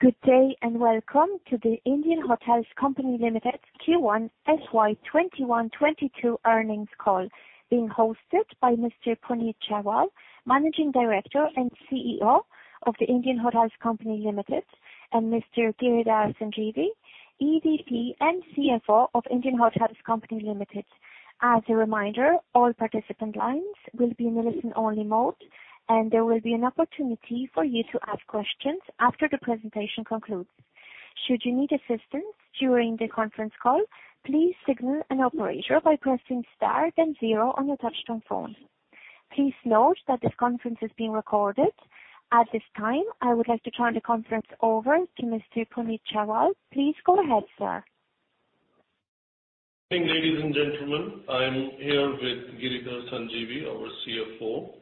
Good day, and welcome to The Indian Hotels Company Limited Q1 FY 2021-2022 Earnings Call, being hosted by Mr. Puneet Chhatwal, Managing Director and CEO of The Indian Hotels Company Limited, and Mr. Giridhar Sanjeevi, EVP and CFO of Indian Hotels Company Limited. As a reminder, all participant lines will be in a listen-only mode, and there will be an opportunity for you to ask questions after the presentation concludes. Should you need assistance during the conference call, please signal an operator by pressing star then zero on your touch-tone phone. Please note that this conference is being recorded. At this time, I would like to turn the conference over to Mr. Puneet Chhatwal. Please go ahead, sir. Good evening, ladies and gentlemen. I am here with Giridhar Sanjeevi, our CFO.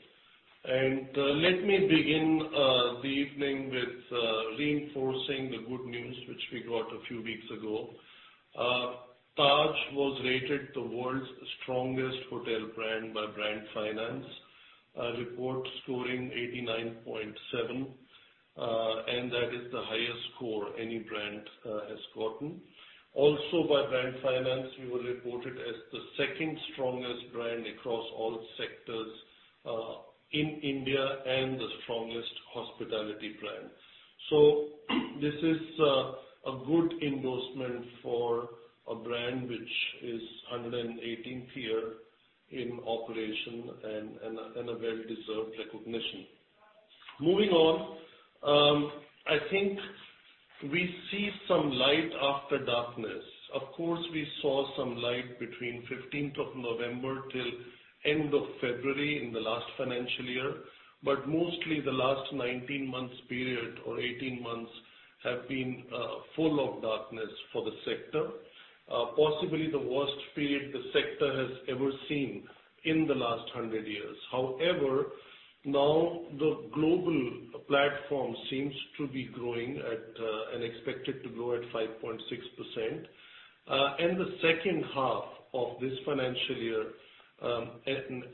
Let me begin the evening with reinforcing the good news, which we got a few weeks ago. Taj was rated the world's strongest hotel brand by Brand Finance, a report scoring 89.7. That is the highest score any brand has gotten. Also by Brand Finance, we were reported as the second strongest brand across all sectors in India and the strongest hospitality brand. This is a good endorsement for a brand which is 118th year in operation and a well-deserved recognition. Moving on, I think we see some light after darkness. Of course, we saw some light between 15th of November till end of February in the last financial year. Mostly the last 19 months period, or 18 months, have been full of darkness for the sector. Possibly the worst period the sector has ever seen in the last 100 years. Now the global platform seems to be growing at and expected to grow at 5.6%. The H2 of this financial year, an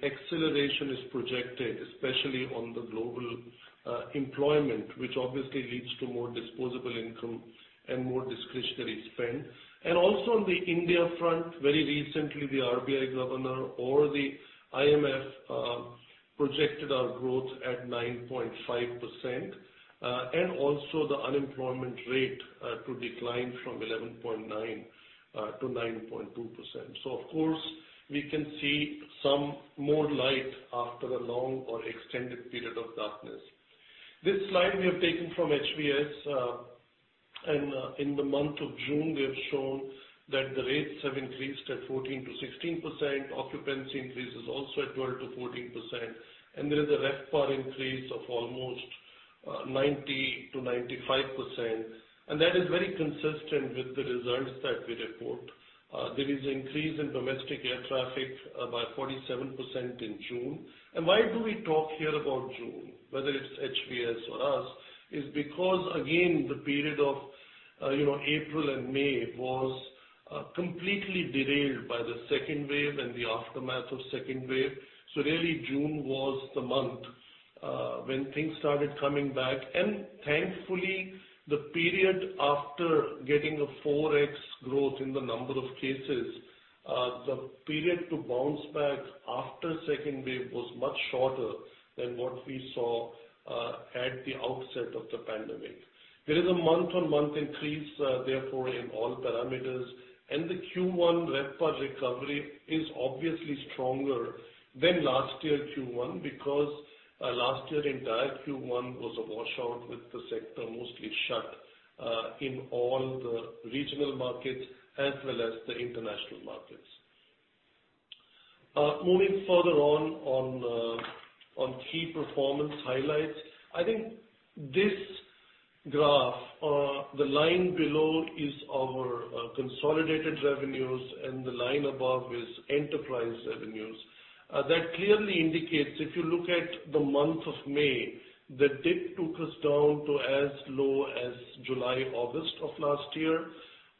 acceleration is projected, especially on the global employment, which obviously leads to more disposable income and more discretionary spend. Also on the India front, very recently, the RBI Governor or the IMF projected our growth at 9.5%, and also the unemployment rate to decline from 11.9% to 9.2%. Of course, we can see some more light after a long or extended period of darkness. This slide we have taken from HVS. In the month of June, we have shown that the rates have increased at 14% to 16%. Occupancy increase is also at 12% to 14%. There is a RevPAR increase of almost 90%-95%, and that is very consistent with the results that we report. There is increase in domestic air traffic by 47% in June. Why do we talk here about June, whether it's HVS or us? Is because, again, the period of April and May was completely derailed by the second wave and the aftermath of second wave. Really June was the month when things started coming back, and thankfully, the period after getting a 4x growth in the number of cases, the period to bounce back after second wave was much shorter than what we saw at the outset of the pandemic. There is a month-on-month increase, therefore, in all parameters, and the Q1 RevPAR recovery is obviously stronger than last year Q1 because last year entire Q1 was a washout with the sector mostly shut in all the regional markets as well as the international markets. Moving further on key performance highlights. I think this graph, the line below is our consolidated revenues, and the line above is enterprise revenues. That clearly indicates if you look at the month of May, the dip took us down to as low as July, August of last year.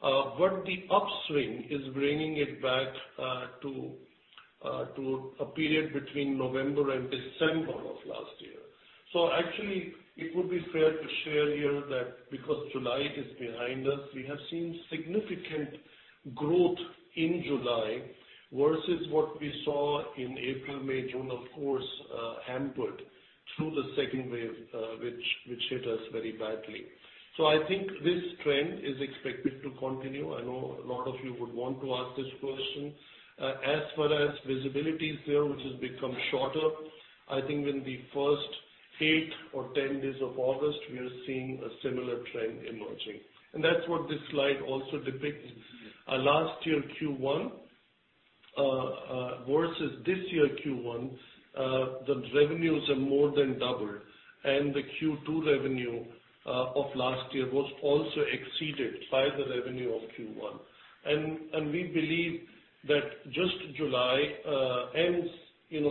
The upswing is bringing it back to a period between November and December of last year. Actually, it would be fair to share here that because July is behind us, we have seen significant growth in July versus what we saw in April, May, June, of course hampered through the second wave, which hit us very badly. I think this trend is expected to continue. I know a lot of you would want to ask this question. As far as visibility is here, which has become shorter, I think in the first eight or 10 days of August, we are seeing a similar trend emerging, and that's what this slide also depicts. Last year Q1 versus this year Q1, the revenues have more than doubled, and the Q2 revenue of last year was also exceeded by the revenue of Q1. We believe that just July ends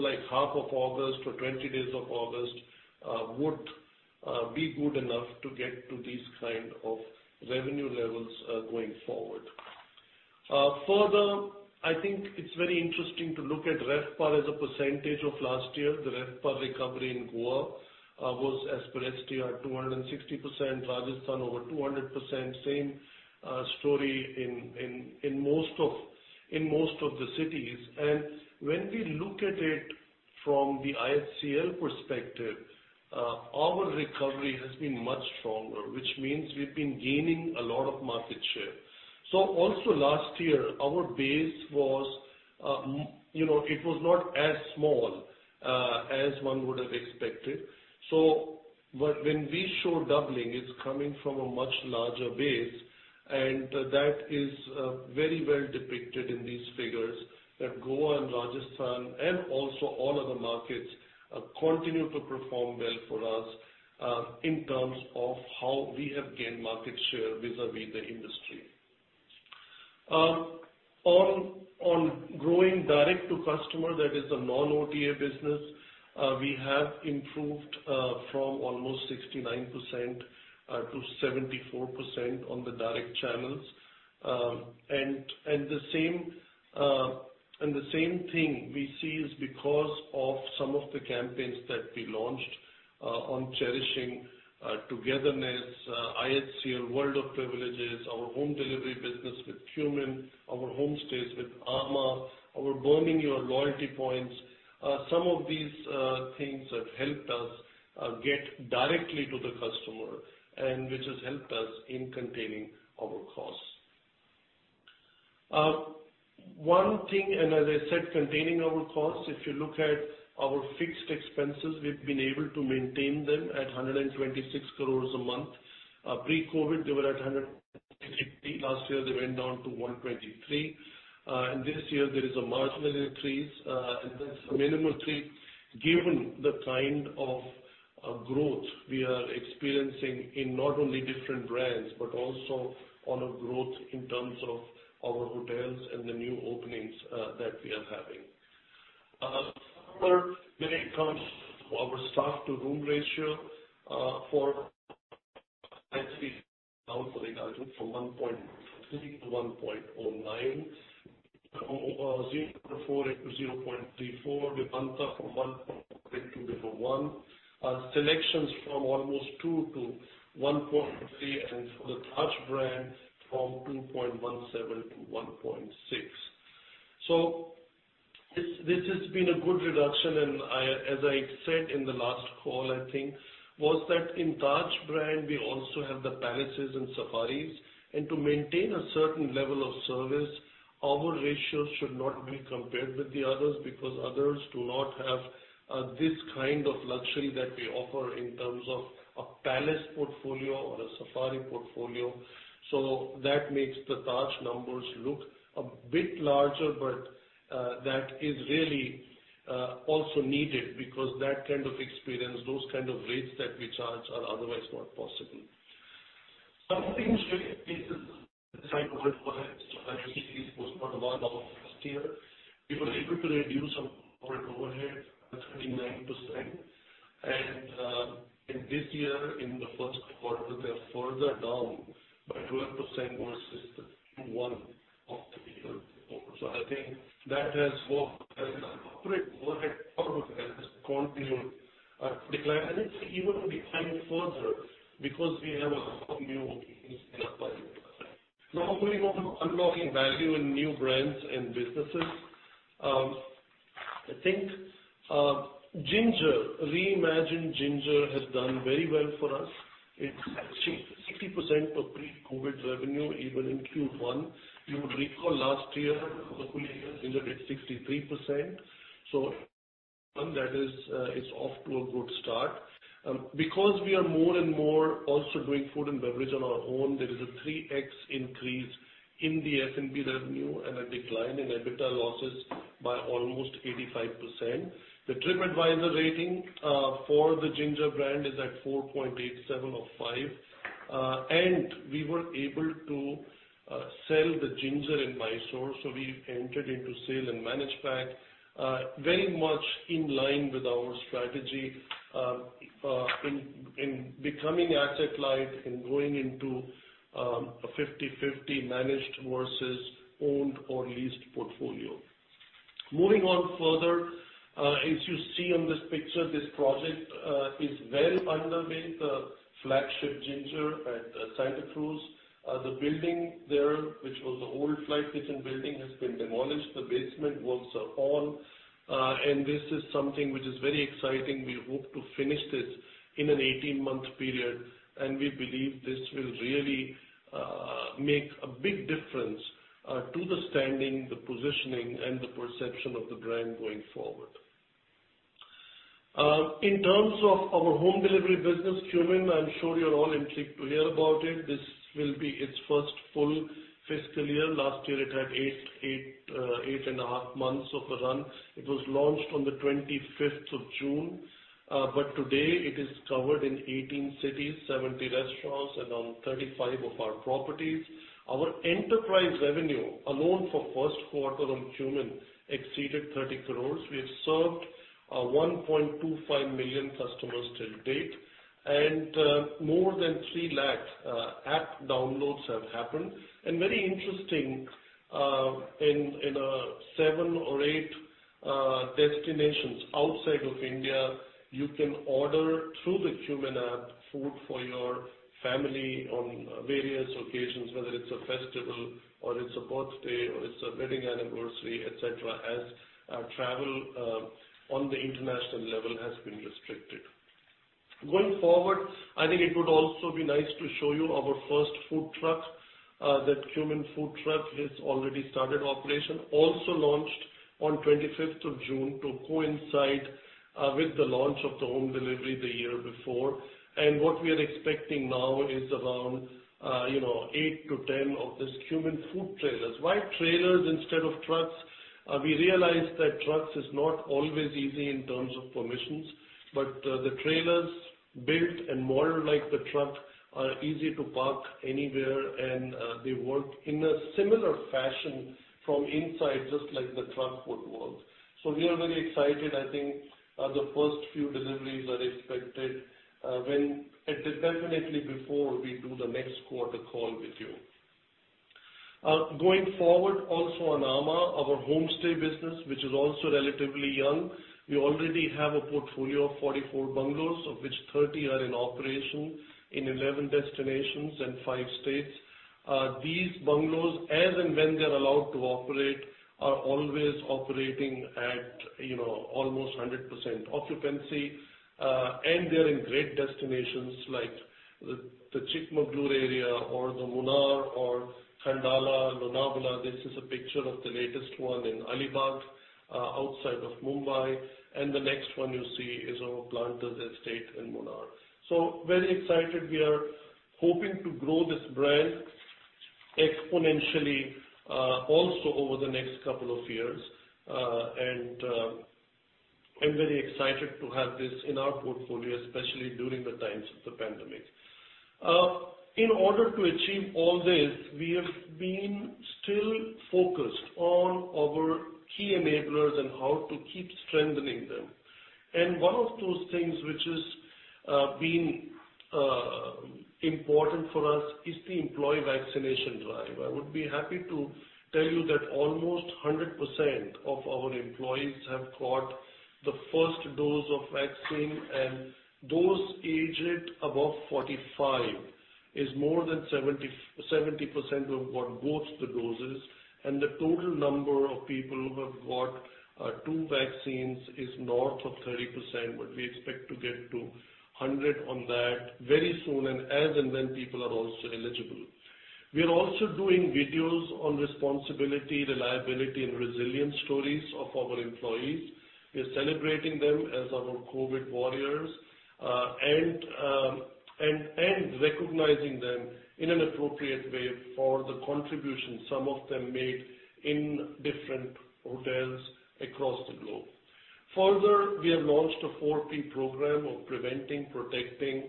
like half of August or 20 days of August would be good enough to get to these kind of revenue levels going forward. Further, I think it's very interesting to look at RevPAR as a percentage of last year. The RevPAR recovery in Goa was as per STR, 260%, Rajasthan over 200%. Same story in most of the cities. When we look at it from the IHCL perspective, our recovery has been much stronger, which means we've been gaining a lot of market share. Also last year, our base was not as small as one would have expected. When we show doubling, it's coming from a much larger base, and that is very well depicted in these figures that Goa and Rajasthan and also all other markets continue to perform well for us in terms of how we have gained market share vis-à-vis the industry. On growing direct to customer, that is the non-OTA business, we have improved from almost 69% to 74% on the direct channels. The same thing we see is because of some of the campaigns that we launched on cherishing togetherness, IHCL World of Privileges, our home delivery business with Qmin, our home stays with amã, our burning your loyalty points. Some of these things have helped us get directly to the customer, and which has helped us in containing our costs. One thing, as I said, containing our costs, if you look at our fixed expenses, we've been able to maintain them at 126 crores a month. Pre-COVID, they were at 150 crores. Last year, they went down to 123 crores. This year there is a marginal increase, and that's minimal given the kind of growth we are experiencing in not only different brands but also on a growth in terms of our hotels and the new openings that we are having. Further, when it comes to our staff-to-room ratio for Taj is down from 1.3 to 1.09. Ginger from 0.48 to 0.34. Vivanta from 1.32 to one. SeleQtions from almost two to 1.3, and for the Taj brand from 2.17 to 1.6. This has been a good reduction, and as I said in the last call I think, was that in Taj brand, we also have the palaces and safaris. To maintain a certain level of service, our ratios should not be compared with the others, because others do not have this kind of luxury that we offer in terms of a palace portfolio or a safari portfolio. That makes the Taj numbers look a bit larger, but that is really also needed because that kind of experience, those kind of rates that we charge are otherwise not possible. We were able to reduce our corporate overhead by 39%, and in this year, in the Q1, they are further down by 12% versus the Q1 of the year before. I think that has worked as the corporate overhead has continued decline, and it will decline further because we have a lot of new openings. Moving on to unlocking value in new brands and businesses. Ginger, reimagined Ginger has done very well for us. It achieved 60% of pre-COVID revenue even in Q1. You would recall last year, the full year, Ginger did 63%. That is off to a good start. We are more and more also doing food and beverage on our own, there is a 3x increase in the F&B revenue and a decline in EBITDA losses by almost 85%. The Tripadvisor rating for the Ginger brand is at 4.87 of five. We were able to sell the Ginger in Mysore, so we entered into sale and manage back very much in line with our strategy in becoming asset-light and going into a 50/50 managed versus owned or leased portfolio. Moving on further, as you see on this picture, this project is well underway, the flagship Ginger at Santa Cruz. The building there, which was the old flight kitchen building, has been demolished. The basement walls are on. This is something which is very exciting. We hope to finish this in an 18-month period, and we believe this will really make a big difference to the standing, the positioning, and the perception of the brand going forward. In terms of our home delivery business, Qmin, I am sure you're all intrigued to hear about it. This will be its first full fiscal year. Last year it had 8.5 months of a run. It was launched on the 25th of June. Today it is covered in 18 cities, 70 restaurants, and on 35 of our properties. Our enterprise revenue alone for Q1 on Qmin exceeded 30 crores. We have served 1.25 million customers till date. More than three lakh app downloads have happened. Very interesting, in seven or eight destinations outside of India, you can order through the Qmin App food for your family on various occasions, whether it's a festival or it's a birthday, or it's a wedding anniversary, et cetera, as our travel on the international level has been restricted. Going forward, I think it would also be nice to show you our first food truck, that Qmin Food Truck has already started operation. Launched on 25th of June to coincide with the launch of the home delivery the year before. What we are expecting now is around 8-10 of these Qmin food trailers. Why trailers instead of trucks? We realized that trucks is not always easy in terms of permissions, the trailers, built and moored like the truck, are easy to park anywhere and they work in a similar fashion from inside, just like the truck would work. We are very excited. I think the first few deliveries are expected definitely before we do the next quarter call with you. Going forward, also on amã, our homestay business, which is also relatively young. We already have a portfolio of 44 bungalows, of which 30 are in operation in 11 destinations and five states. These bungalows, as and when they're allowed to operate, are always operating at almost 100% occupancy. They're in great destinations like the Chikmagalur area or the Munnar or Khandala, Lonavala. This is a picture of the latest one in Alibag, outside of Mumbai, the next one you see is our Planter's Estate in Munnar. Very excited. We are hoping to grow this brand exponentially, also over the next couple of years. I'm very excited to have this in our portfolio, especially during the times of the pandemic. In order to achieve all this, we have been still focused on our key enablers and how to keep strengthening them. One of those things which has been important for us is the employee vaccination drive. I would be happy to tell you that almost 100% of our employees have got the first dose of vaccine, those aged above 45 is more than 70% who have got both the doses. The total number of people who have got two vaccines is north of 30%, but we expect to get to 100 on that very soon, and as and when people are also eligible. We are also doing videos on responsibility, reliability, and resilience stories of our employees. We are celebrating them as our COVID warriors, and recognizing them in an appropriate way for the contribution some of them made in different hotels across the globe. Further, we have launched a four-pillar program of preventing, protecting,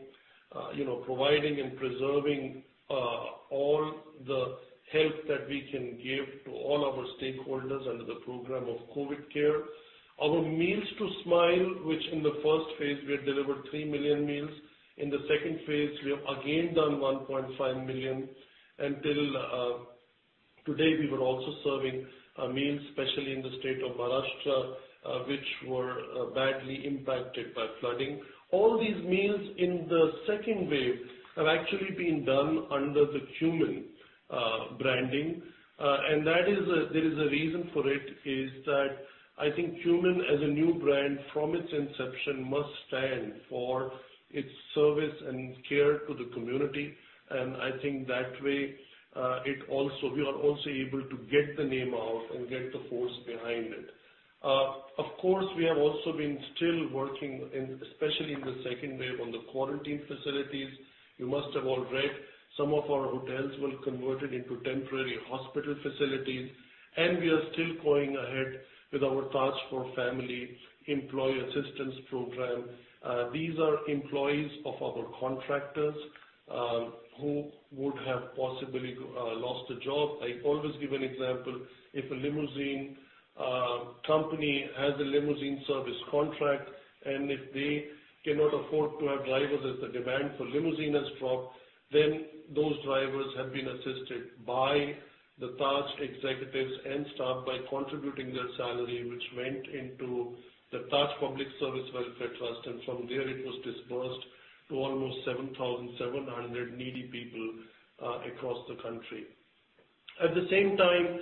providing, and preserving all the help that we can give to all our stakeholders under the program of COVID Care. Our Meals to Smiles, which in the first phase we had delivered three million meals. In the second phase, we have again done 1.5 million. Until today, we were also serving meals, especially in the state of Maharashtra, which were badly impacted by flooding. All these meals in the second wave have actually been done under the Qmin branding. There is a reason for it, is that I think Qmin as a new brand, from its inception, must stand for its service and care to the community. I think that way, we are also able to get the name out and get the force behind it. Of course, we have also been still working, especially in the second wave on the quarantine facilities. You must have all read, some of our hotels were converted into temporary hospital facilities. We are still going ahead with our Taj for Family employee assistance program. These are employees of our contractors, who would have possibly lost a job. I always give an example. If a limousine company has a limousine service contract, and if they cannot afford to have drivers as the demand for limousine has dropped, then those drivers have been assisted by the Taj executives and staff by contributing their salary, which went into the Taj Public Service Welfare Trust. From there it was disbursed to almost 7,700 needy people across the country. At the same time,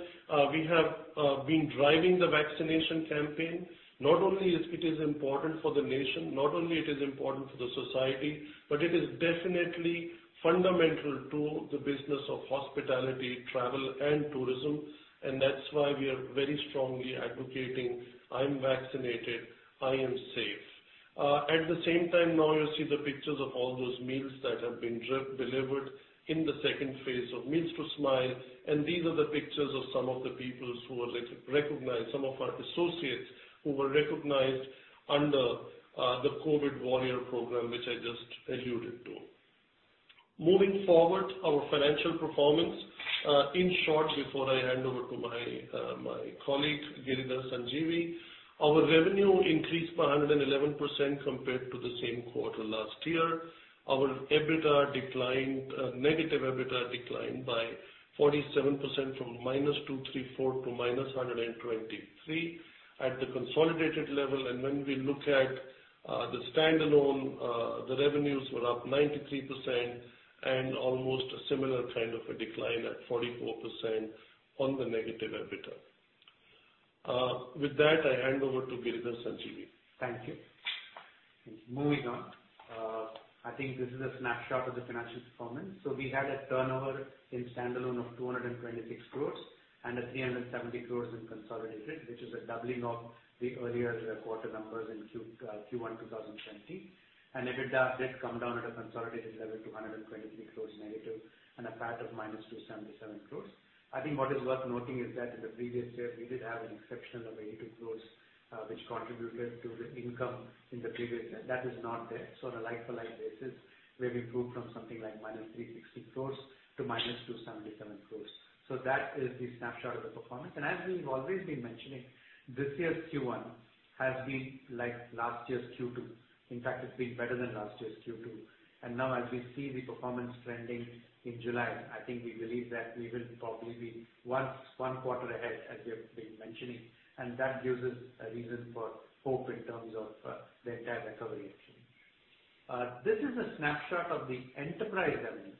we have been driving the vaccination campaign. Not only it is important for the nation, not only it is important for the society, but it is definitely fundamental to the business of hospitality, travel, and tourism, and that's why we are very strongly advocating, "I am vaccinated, I am safe." At the same time, now you see the pictures of all those meals that have been delivered in the second phase of Meals to Smiles, and these are the pictures of some of the people who were recognized, some of our associates who were recognized under the COVID Warrior program, which I just alluded to. Moving forward, our financial performance. In short, before I hand over to my colleague, Giridhar Sanjeevi, our revenue increased by 111% compared to the same quarter last year. Our negative EBITDA declined by 47% from -234 crores to -123 crores at the consolidated level. When we look at the standalone, the revenues were up 93% and almost a similar kind of a decline at 44% on the negative EBITDA. With that, I hand over to Giridhar Sanjeevi. Thank you. Moving on. I think this is a snapshot of the financial performance. We had a turnover in standalone of 226 crores and 370 crores in consolidated, which is a doubling of the earlier quarter numbers in Q1 2017. EBITDA did come down at a consolidated level to 123 crores negative and a PAT of -277 crores. I think what is worth noting is that in the previous year, we did have an exception of 82 crores, which contributed to the income in the previous year. That is not there. On a like-for-like basis, we have improved from something like -360 crores to -277 crores. That is the snapshot of the performance. As we've always been mentioning, this year's Q1 has been like last year's Q2. In fact, it's been better than last year's Q2. Now as we see the performance trending in July, I think we believe that we will probably be one quarter ahead as we have been mentioning, and that gives us a reason for hope in terms of the entire recovery actually. This is a snapshot of the enterprise revenue.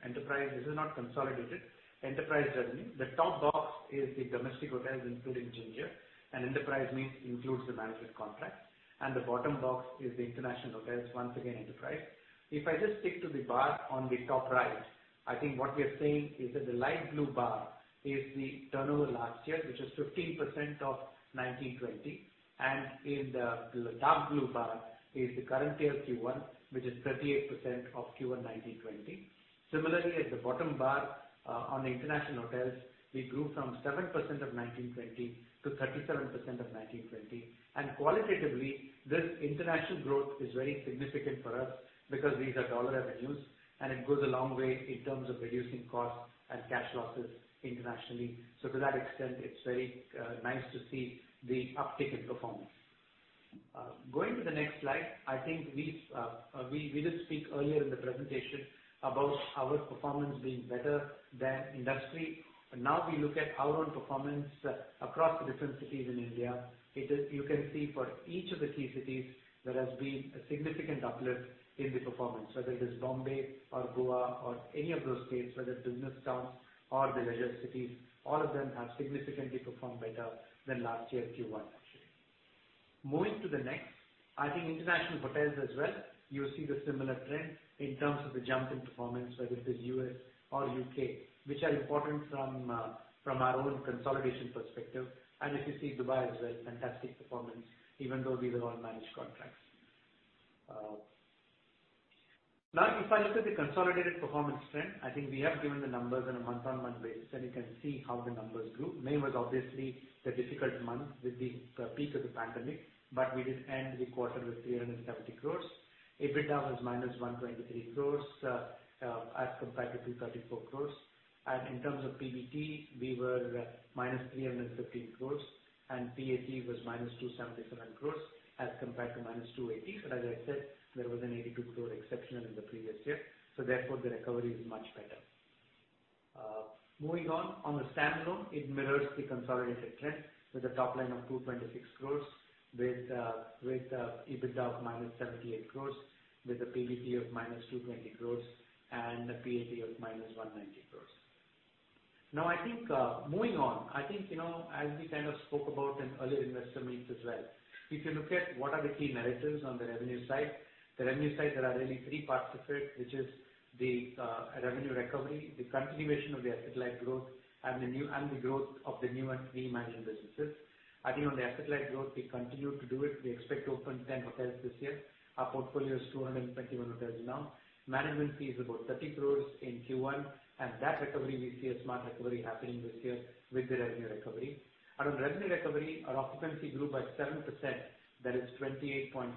This is not consolidated. Enterprise revenue. The top box is the domestic hotels including Ginger, enterprise means includes the management contracts, the bottom box is the international hotels, once again, enterprise. If I just stick to the bar on the top right, I think what we are saying is that the light blue bar is the turnover last year, which is 15% of 2019/2020, the dark blue bar is the current year Q1, which is 38% of Q1 2019/2020. Similarly, at the bottom bar, on the international hotels, we grew from 7% of FY 2019-2020 to 37% of FY 2019-2020. Qualitatively, this international growth is very significant for us because these are dollar revenues, and it goes a long way in terms of reducing costs and cash losses internationally. To that extent, it's very nice to see the uptick in performance. Going to the next slide, I think we did speak earlier in the presentation about our performance being better than industry. Now we look at our own performance across the different cities in India. You can see for each of the key cities, there has been a significant uplift in the performance, whether it is Bombay or Goa or any of those states, whether business towns or the leisure cities, all of them have significantly performed better than last year Q1 actually. Moving to the next. I think international hotels as well, you see the similar trend in terms of the jump in performance, whether it is U.S. or U.K., which are important from our own consolidation perspective. If you see Dubai as well, fantastic performance, even though these are all managed contracts. Now, if I look at the consolidated performance trend, I think we have given the numbers on a month-on-month basis, and you can see how the numbers grew. May was obviously the difficult month with the peak of the pandemic, but we did end the quarter with 370 crores. EBITDA was -123 crores, as compared to 234 crores. In terms of PBT, we were at -315 crores, and PAT was -277 crores as compared to -280 crores. As I said, there was an 82 crore exception in the previous year, so therefore, the recovery is much better. Moving on. On the standalone, it mirrors the consolidated trend with a top line of 226 crores, with EBITDA of -78 crores, with a PBT of -220 crores and a PAT of -190 crores. Moving on. I think, as we kind of spoke about in earlier investor meetings as well, if you look at what are the key narratives on the revenue side. The revenue side, there are really three parts of it, which is the revenue recovery, the continuation of the asset light growth, and the growth of the new and reimagined businesses. I think on the asset light growth, we continue to do it. We expect to open 10 hotels this year. Our portfolio is 221 hotels now. Management fee is about 30 crores in Q1, and that recovery we see a smart recovery happening this year with the revenue recovery. Out of revenue recovery, our occupancy grew by 7%, that is 28.5%,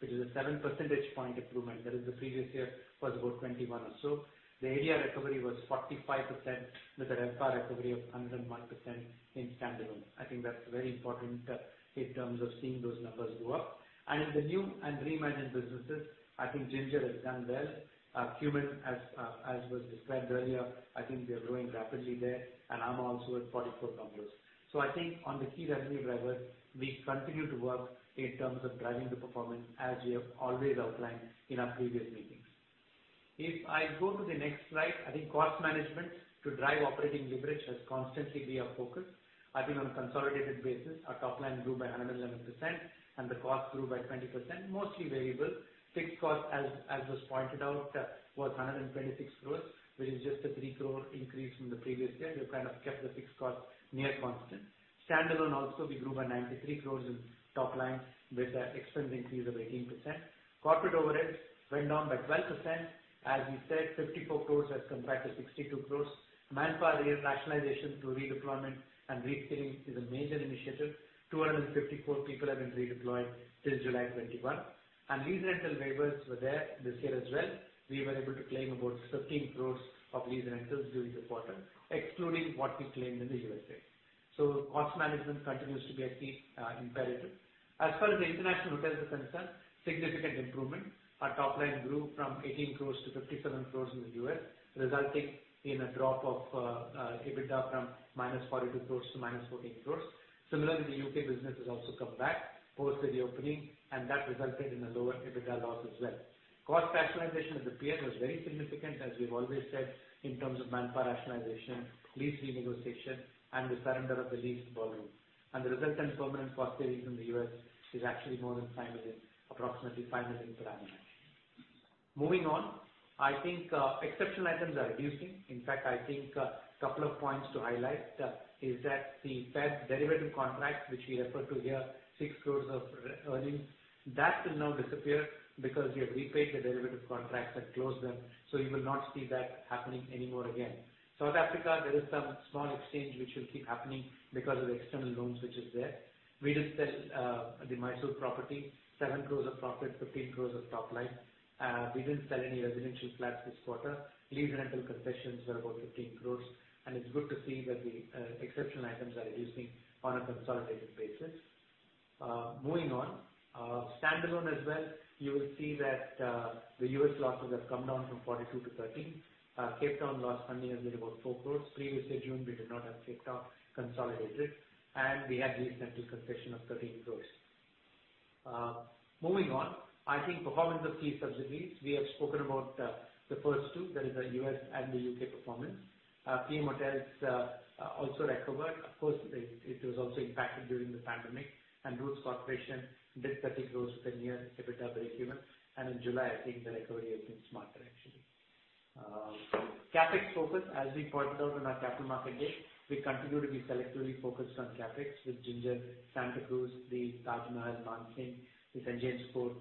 which is a seven percentage point improvement. That is, the previous year was about 21% or so. The ADR recovery was 45% with a RevPAR recovery of 101% in standalone. I think that's very important in terms of seeing those numbers go up. In the new and reimagined businesses, I think Ginger has done well. Qmin, as was described earlier, I think we are growing rapidly there, and amã also at 44 crores. I think on the key revenue drivers, we continue to work in terms of driving the performance as we have always outlined in our previous meetings. If I go to the next slide, I think cost management to drive operating leverage has constantly been our focus. I think on a consolidated basis, our top line grew by 111% and the cost grew by 20%, mostly variable. Fixed cost, as was pointed out, was 126 crore, which is just a 3 crore increase from the previous year. We've kind of kept the fixed cost near constant. Standalone also we grew by 93 crore in top line with an expense increase of 18%. Corporate overheads went down by 12%. As we said, 54 crore as compared to 62 crore. Manpower rationalization through redeployment and right-skilling is a major initiative. 254 people have been redeployed till July 2021. Lease rental waivers were there this year as well. We were able to claim about 15 crore of lease rentals during the quarter, excluding what we claimed in the U.S.A. Cost management continues to be a key imperative. As far as the international hotels are concerned, significant improvement. Our top line grew from 18 crore to 57 crore in the U.S., resulting in a drop of EBITDA from -42 crore to -14 crore. Similarly, the U.K. business has also come back post the reopening, and that resulted in a lower EBITDA loss as well. Cost rationalization at The Pierre was very significant, as we've always said, in terms of manpower rationalization, lease renegotiation, and the surrender of the lease ballroom. The resultant permanent cost savings in the U.S. is actually more than approximately $5 million per annum, actually. Moving on, I think exceptional items are reducing. In fact, I think a couple of points to highlight is that the Fed derivative contract, which we refer to here, 6 crore of earnings. That will now disappear because we have repaid the derivative contracts and closed them, so you will not see that happening anymore again. South Africa, there is some small exchange which will keep happening because of the external loans, which is there. We did sell the Mysore property, 7 crore of profit, 15 crore of top line. We did not sell any residential flats this quarter. Lease rental concessions were about 15 crore. It is good to see that the exceptional items are reducing on a consolidated basis. Moving on. Standalone as well, you will see that the U.S. losses have come down from 42 crores to 13 crores. Cape Town loss only has been about 4 crore. Previous June, we did not have Cape Town consolidated, we had lease rental concession of 13 crores. Moving on. I think performance of key subsidiaries, we have spoken about the first two. That is the U.S. and the U.K. performance. Piem Hotels also recovered. Of course, it was also impacted during the pandemic. Roots Corporation did 30 crores than year EBITDA breakeven. In July, I think the recovery has been smarter, actually. CapEx focus. As we pointed out on our capital market day, we continue to be selectively focused on CapEx with Ginger, Santa Cruz, the Taj Mahal, Mansingh, the St. James' Court,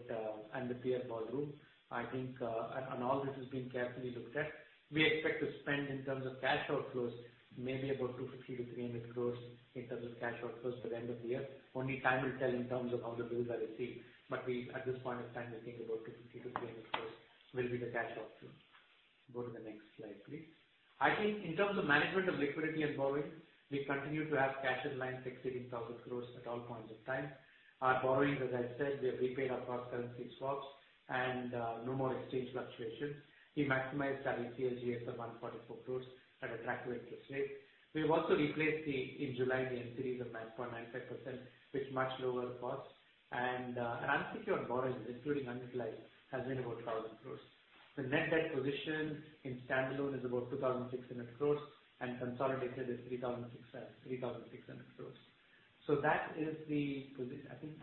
and The Pierre Ballroom. I think all this is being carefully looked at. We expect to spend, in terms of cash outflows, maybe about 250 crores-300 crores in terms of cash outflows by the end of the year. Only time will tell in terms of how the bills are received, at this point of time, we think about 250 crores-300 crores will be the cash outflow. Go to the next slide, please. I think in terms of management of liquidity and borrowing, we continue to have cash outlines exceeding 1,000 crores at all points of time. Our borrowings, as I said, we have repaid our cross-currency swaps and no more exchange fluctuations. We maximized our FCNR of 144 crores at attractive interest rates. We have also replaced the, in July, the NCDs of 9.95% with much lower cost. Our unsecured borrowings, including unutilized, has been about 1,000 crores. The net debt position in standalone is about 2,600 crores and consolidated is 3,600 crores. That is the position. I think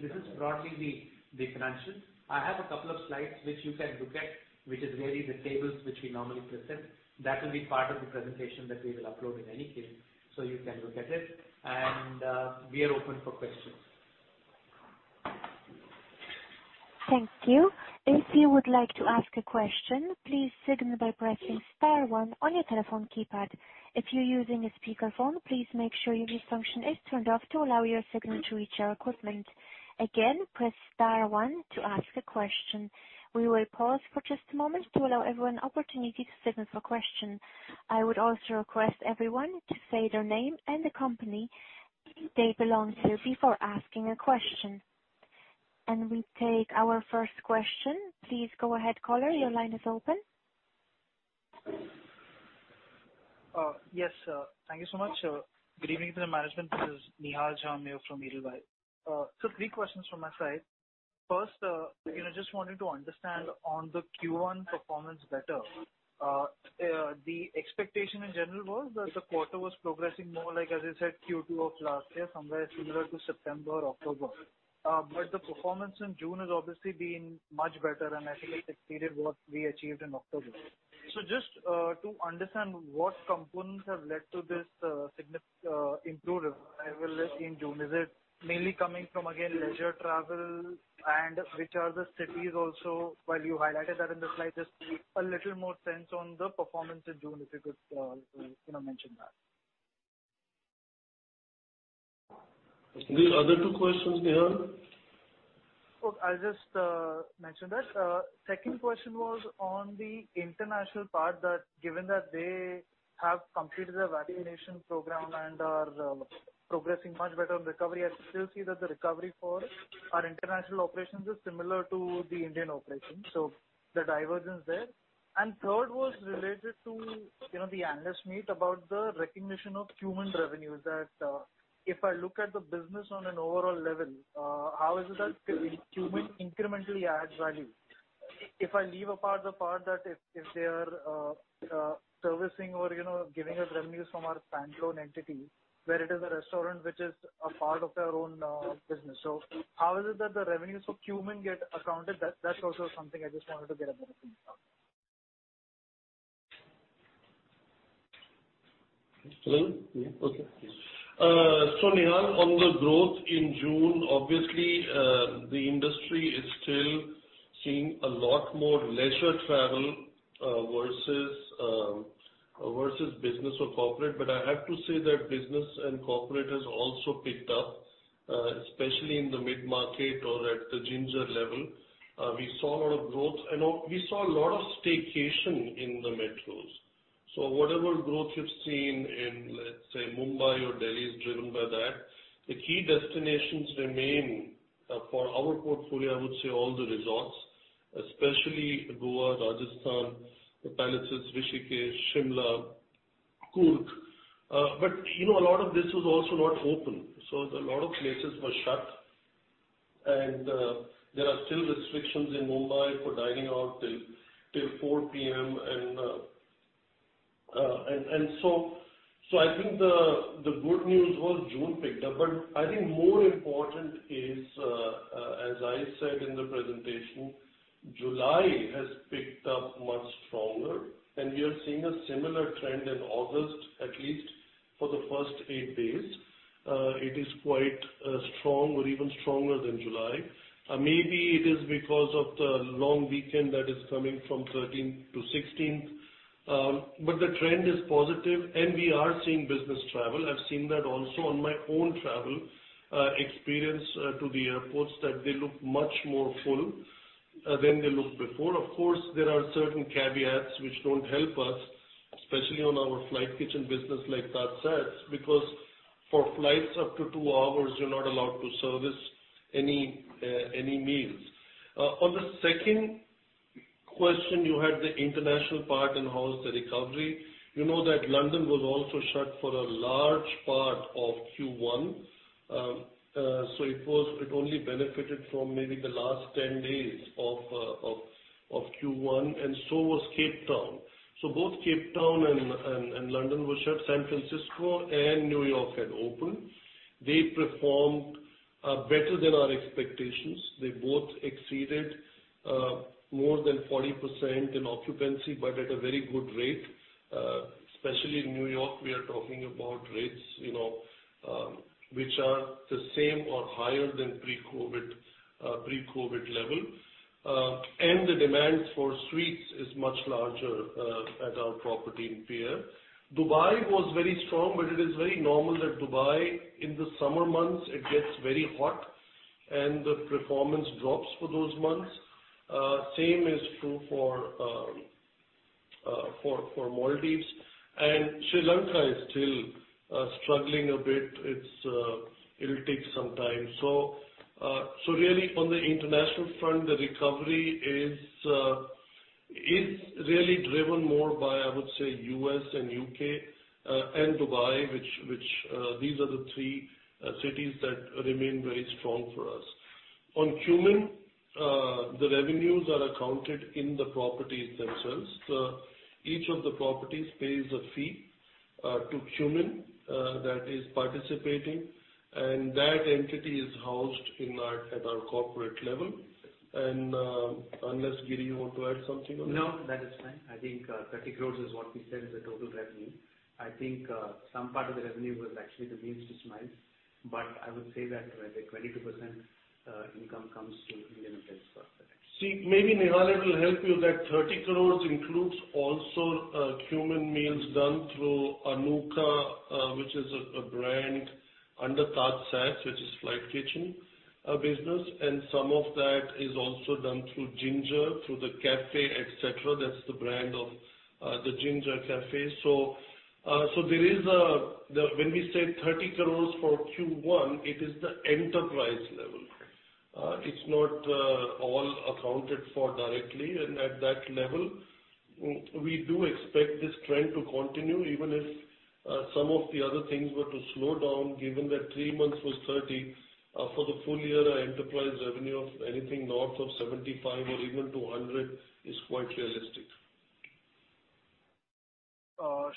this is broadly the financials. I have a couple of slides which you can look at, which is really the tables which we normally present. That will be part of the presentation that we will upload in any case, so you can look at it. We are open for questions. Thank you. If you would like to ask a question, please signal by pressing star one on your telephone keypad. If you're using a speakerphone, please make sure your mute function is turned off to allow your signal to reach our equipment. Again, press star one to ask a question. We will pause for just a moment to allow everyone opportunity to signal for question. I would also request everyone to say their name and the company they belong to before asking a question. We take our first question. Please go ahead, caller. Your line is open. Yes. Thank you so much. Good evening to the management. This is Nihal Jham from Edelweiss. Three questions from my side. First, I just wanted to understand on the Q1 performance better. The expectation in general was that the quarter was progressing more like, as I said, Q2 of last year, somewhere similar to September or October. The performance in June has obviously been much better, and I think it exceeded what we achieved in October. Just to understand what components have led to this improved revival that we see in June? Is it mainly coming from, again, leisure travel? Which are the cities also? While you highlighted that in the slide, just a little more sense on the performance in June, if you could mention that. The other two questions, Nihal? I'll just mention that. Second question was on the international part given that they have completed their vaccination program and are progressing much better on recovery, I still see that the recovery for our international operations is similar to the Indian operations. The divergence there. Third was related to the analyst meet about the recognition of Qmin revenues. If I look at the business on an overall level, how is it that Qmin incrementally adds value? If I leave apart the part that if they are servicing or giving us revenues from our standalone entity where it is a restaurant which is a part of their own business. How is it that the revenues for Qmin get accounted? That's also something I just wanted to get a better picture of. Okay. Nihal, on the growth in June, obviously, the industry is still seeing a lot more leisure travel versus business or corporate. I have to say that business and corporate has also picked up, especially in the mid-market or at the Ginger level. We saw a lot of growth and we saw a lot of staycation in the metros. Whatever growth you've seen in, let's say, Mumbai or Delhi, is driven by that. The key destinations remain for our portfolio, I would say all the resorts, especially Goa, Rajasthan, the Palaces, Rishikesh, Shimla, Coorg. A lot of this was also not open, so a lot of places were shut, and there are still restrictions in Mumbai for dining out till 4:00 P.M. I think the good news was June picked up, but I think more important is, as I said in the presentation, July has picked up much stronger and we are seeing a similar trend in August, at least for the first eight days. It is quite strong or even stronger than July. Maybe it is because of the long weekend that is coming from 13th-16th. The trend is positive and we are seeing business travel. I've seen that also on my own travel experience to the airports, that they look much more full than they looked before. Of course, there are certain caveats which don't help us, especially on our flight kitchen business like TajSATS, because for flights up to two hours, you're not allowed to service any meals. On the second question you had the international part and how is the recovery. You know that London was also shut for a large part of Q1. It only benefited from maybe the last 10 days of Q1 and so was Cape Town. Both Cape Town and London were shut. San Francisco and New York had opened. They performed better than our expectations. They both exceeded more than 40% in occupancy, but at a very good rate. Especially in New York, we are talking about rates which are the same or higher than pre-COVID level. The demand for suites is much larger at our property in Pierre. Dubai was very strong, but it is very normal that Dubai in the summer months it gets very hot and the performance drops for those months. Same is true for Maldives, and Sri Lanka is still struggling a bit. It'll take some time. Really on the international front, the recovery is really driven more by, I would say, U.S. and U.K. and Dubai. These are the three cities that remain very strong for us. On Qmin, the revenues are accounted in the properties themselves. Each of the properties pays a fee to Qmin that is participating, and that entity is housed at our corporate level. Unless, Giri, you want to add something on that? No, that is fine. I think 30 crores is what we said is the total revenue. I think some part of the revenue was actually the Meals to Smiles. I would say that where the 22% income comes to Indian Hotels Company. Maybe, Nihal, it will help you that 30 crores includes also Qmin meals done through ANUKA, which is a brand under TajSATS, which is flight kitchen business, and some of that is also done through Ginger, through Café et cetera. That's the brand of the Ginger Café. When we say 30 crores for Q1, it is the enterprise level. It's not all accounted for directly and at that level. We do expect this trend to continue, even if some of the other things were to slow down given that three months was 30 crores. For the full year, our enterprise revenue of anything north of 75 crores or even 200 crores is quite realistic.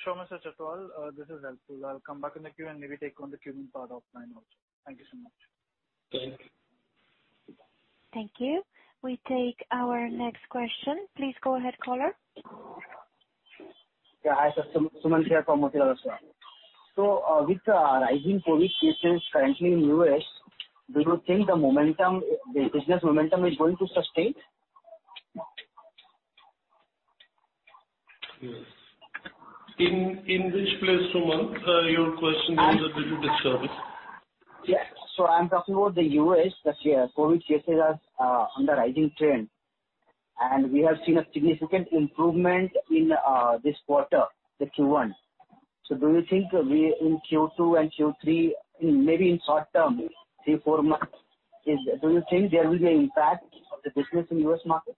Sure, Mr. Chhatwal. This is helpful. I'll come back in the queue and maybe take on the Qmin part offline also. Thank you so much. Thank you. Thank you. We take our next question. Please go ahead, caller. Yeah, hi, sir. Suman here. With the rising COVID cases currently in U.S., do you think the business momentum is going to sustain? Yes. In which place, Suman? Your question is a little bit disturbing. Yeah. I'm talking about the U.S. that COVID cases are on the rising trend, and we have seen a significant improvement in this quarter, the Q1. Do you think in Q2 and Q3, maybe in short-term, three, four months, do you think there will be an impact of the business in U.S. market?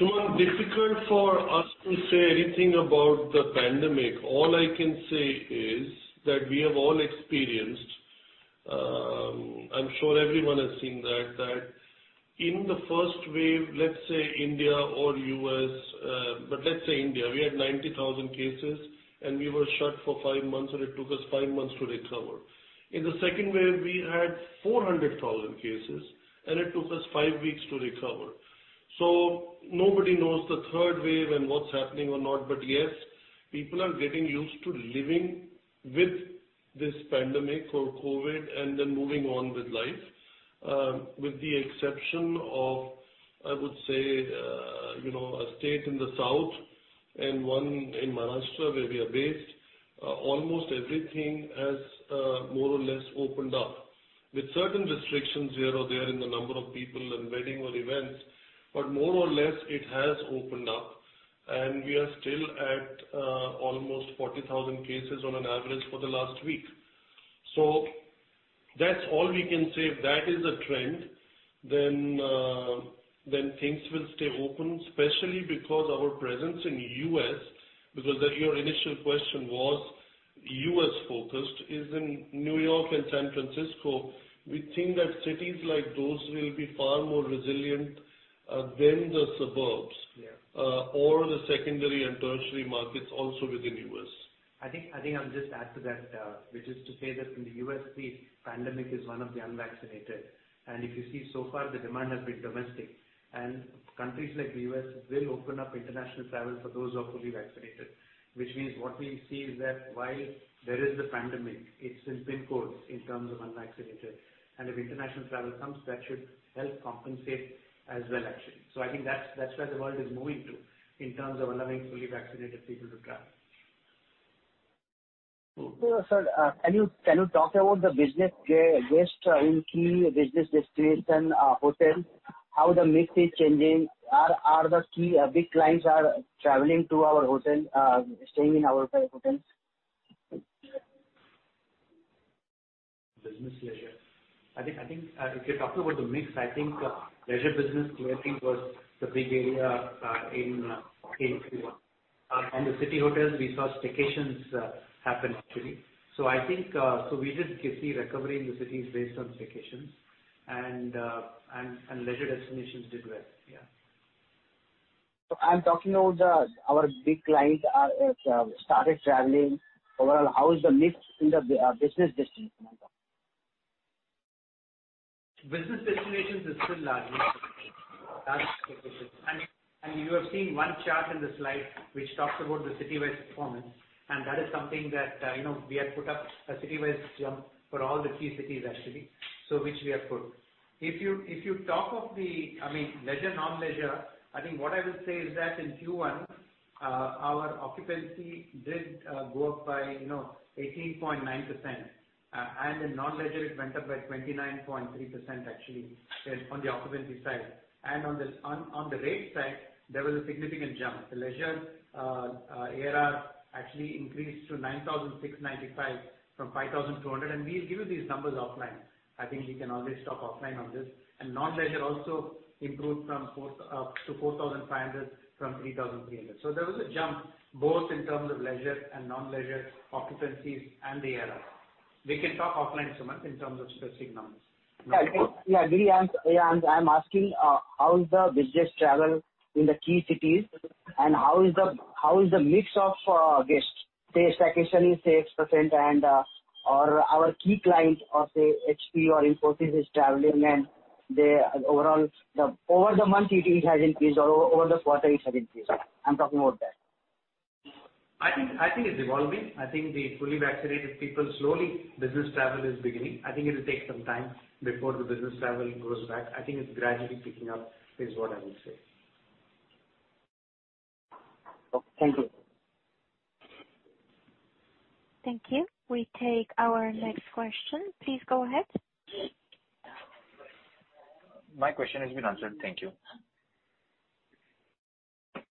Suman, difficult for us to say anything about the pandemic. All I can say is that we have all experienced, I'm sure everyone has seen that in the first wave, let's say India or U.S., but let's say India, we had 90,000 cases and we were shut for five months, and it took us five months to recover. In the second wave, we had 400,000 cases, and it took us five weeks to recover. Nobody knows the third wave and what's happening or not. Yes, people are getting used to living with this pandemic or COVID, and then moving on with life. With the exception of, I would say, a state in the south and one in Maharashtra where we are based, almost everything has more or less opened up. With certain restrictions here or there in the number of people in wedding or events. More or less, it has opened up, and we are still at almost 40,000 cases on an average for the last week. That's all we can say. If that is a trend, things will stay open, especially because of our presence in the U.S., because your initial question was U.S.-focused, is in New York and San Francisco. We think that cities like those will be far more resilient than the suburbs. The secondary and tertiary markets also within U.S. I think I'll just add to that, which is to say that in the U.S., the pandemic is one of the unvaccinated. If you see so far, the demand has been domestic. Countries like the U.S. will open up international travel for those who are fully vaccinated. Which means what we see is that while there is a pandemic, it's in pin codes in terms of unvaccinated. If international travel comes, that should help compensate as well, actually. I think that's where the world is moving to in terms of allowing fully vaccinated people to travel. Sir, can you talk about the business guests in key business destination hotels? How the mix is changing? Are the key big clients traveling to our hotel, staying in our hotels? Business leisure. I think if you're talking about the mix, I think leisure business directly was the big area in Q1. In the city hotels, we saw staycations happen, actually. We did see recovery in the cities based on staycations, and leisure destinations did well. I'm talking about our big clients started traveling. Overall, how is the mix in the business destination? Business destinations is still largely you have seen one chart in the slide, which talks about the city-wide performance, and that is something that we had put up a city-wide jump for all the key cities, actually. Which we have put. If you talk of the leisure, non-leisure, I think what I will say is that in Q1, our occupancy did go up by 18.9%, and in non-leisure, it went up by 29.3%, actually, on the occupancy side. On the rate side, there was a significant jump. The leisure ARR actually increased to 9,695 from 5,200. We'll give you these numbers offline. I think we can always talk offline on this. Non-leisure also improved up to 4,500 crores from 3,300 crores. There was a jump both in terms of leisure and non-leisure occupancies and the ARR. We can talk offline, Suman, in terms of specific numbers. I agree. I'm asking how is the business travel in the key cities and how is the mix of guests? Say, staycation is 6%, and our key client of, say, HP or Infosys is traveling and over the month it has increased or over the quarter it has increased. I'm talking about that. I think it's evolving. I think the fully vaccinated people, slowly business travel is beginning. I think it will take some time before the business travel goes back. I think it's gradually picking up, is what I would say. Thank you. Thank you. We take our next question. Please go ahead. My question has been answered. Thank you.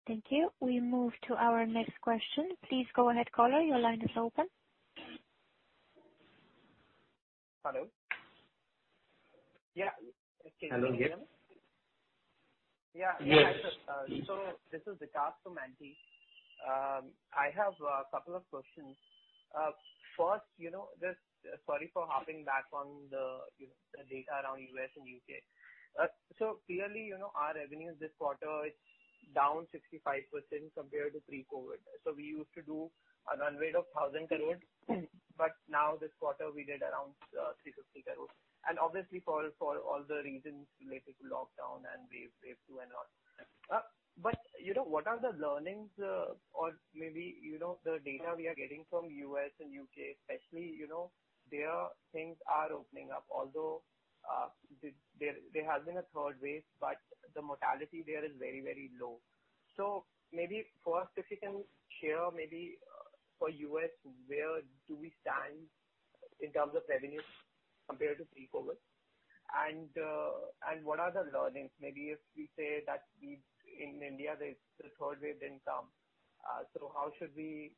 Thank you. We move to our next question. Please go ahead, caller. Your line is open. This is Vikas from Antique. I have a couple of questions. First, just sorry for harping back on the data around U.S. and U.K. Clearly, our revenue this quarter is down 65% compared to pre-COVID. We used to do a run rate of 1,000 crores. Now this quarter, we did around 350 crores. Obviously for all the reasons related to lockdown and wave 2 and all. What are the learnings? Maybe the data we are getting from U.S. and U.K. especially, there things are opening up, although there has been a third wave, but the mortality there is very low. Maybe first, if you can share maybe for U.S., where do we stand in terms of revenue compared to pre-COVID? What are the learnings? Maybe if we say that in India, the third wave didn't come. How should we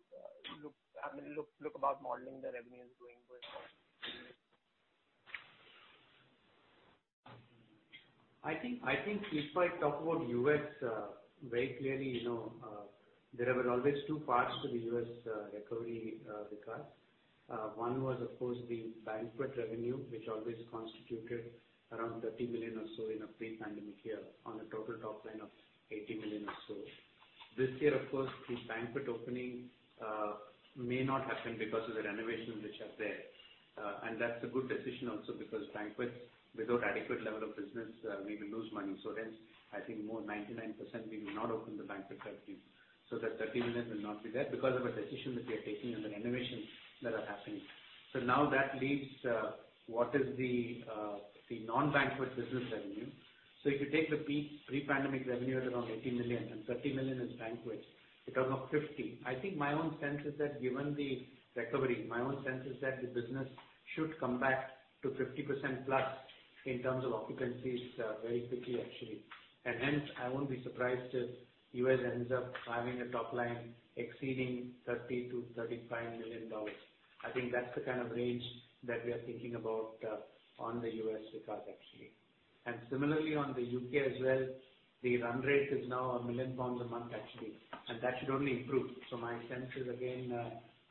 look about modeling the revenues going forward? I think if I talk about U.S. very clearly, there were always two parts to the U.S. recovery, Vikas. One was, of course, the banquet revenue, which always constituted around 30 million or so in a pre-pandemic year on a total top line of 80 million or so. This year, of course, the banquet opening may not happen because of the renovations which are there. That's a good decision also because banquets, without adequate level of business, we will lose money. Hence, I think more than 99% we will not open the banquet property. That 30 million will not be there because of a decision that we are taking and the renovations that are happening. Now that leaves, what is the non-banquet business revenue. If you take the peak pre-pandemic revenue at around 80 million and 30 million is banquet, a total of 50 million. I think my own sense is that given the recovery, my own sense is that the business should come back to 50%+ in terms of occupancies very quickly, actually. Hence, I won't be surprised if U.S. ends up having a top line exceeding $30 million-$35 million. I think that's the kind of range that we are thinking about on the U.S. front actually. Similarly, on the U.K. as well, the run rate is now 1 million pounds a month actually, and that should only improve. My sense is again,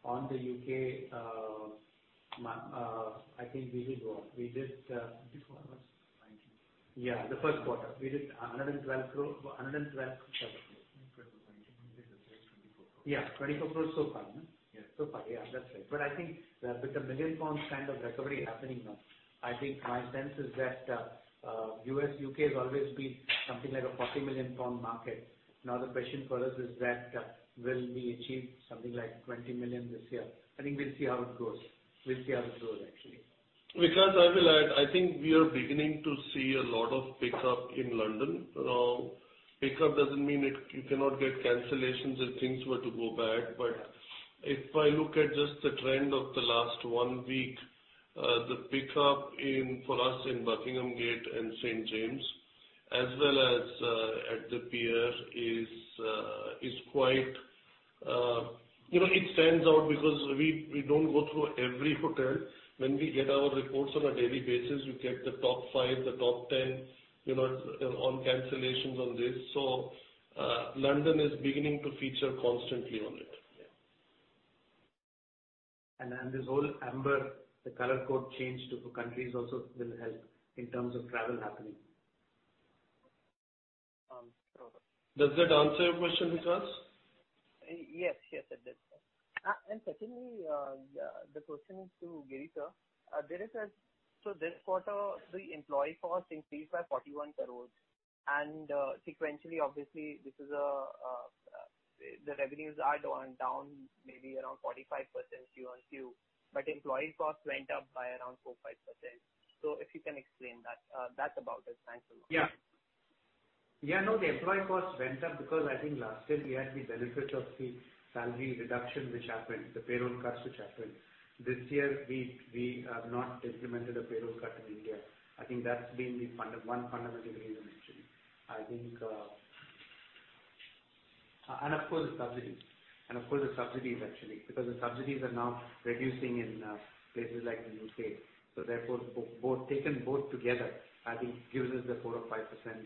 on the U.K., I think we did what? Before it was 19. Yeah, the Q1. We did 112 crore. No, 24 crore. Yeah. 24 crore so far. Yeah. So far. Yeah, that's right. I think with the 1 million pounds kind of recovery happening now, I think my sense is that U.S., U.K. has always been something like a 40 million pound market. The question for us is that will we achieve something like 20 million GBP this year? I think we will see how it goes. We will see how it goes, actually. Vikas, I will add, I think we are beginning to see a lot of pickup in London. Now, pickup doesn't mean you cannot get cancellations if things were to go bad. If I look at just the trend of the last one week, the pickup for us in Buckingham Gate and St. James' Court as well as at The Pierre It stands out because we don't go through every hotel. When we get our reports on a daily basis, we get the top five, the top ten on cancellations on this. London is beginning to feature constantly on it. Yeah. This whole amber, the color code change to countries also will help in terms of travel happening. Does that answer your question, Vikas? Yes. It does. Secondly, the question is to Girish, sir. This quarter, the employee cost increased by 41 crores. Sequentially, obviously, the revenues are down maybe around 45% Q on Q, but employee costs went up by around 4%, 5%. If you can explain that. That's about it. Thanks a lot. Yeah. No, the employee cost went up because I think last year we had the benefit of the salary reduction which happened, the payroll cuts which happened. This year we have not implemented a payroll cut in India. I think that's been the one fundamental reason, actually. Of course, the subsidies. Of course, the subsidies actually, because the subsidies are now reducing in places like the U.K. Therefore, taken both together, I think gives us the 4% or 5%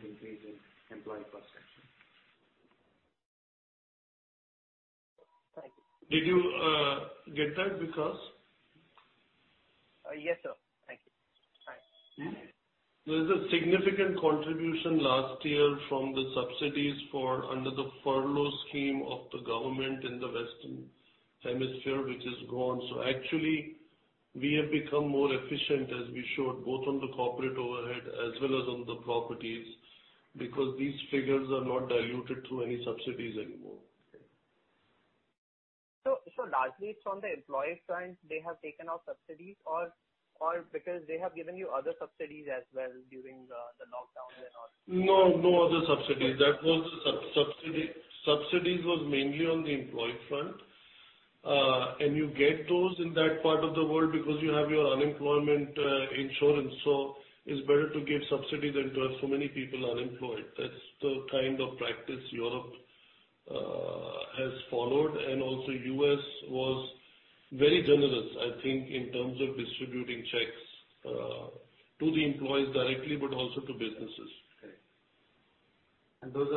increase in employee cost actually. Thank you. Did you get that, Vikas? Yes, sir. Thank you. Bye. There was a significant contribution last year from the subsidies for under the furlough scheme of the government in the Western Hemisphere, which is gone. Actually, we have become more efficient as we showed, both on the corporate overhead as well as on the properties, because these figures are not diluted through any subsidies anymore. Largely it's on the employee front, they have taken out subsidies or because they have given you other subsidies as well during the lockdowns and all? No other subsidies. Subsidies was mainly on the employee front. You get those in that part of the world because you have your unemployment insurance. It's better to give subsidy than to have so many people unemployed. That's the kind of practice Europe has followed and also U.S. was very generous, I think, in terms of distributing checks to the employees directly, but also to businesses. Right. Those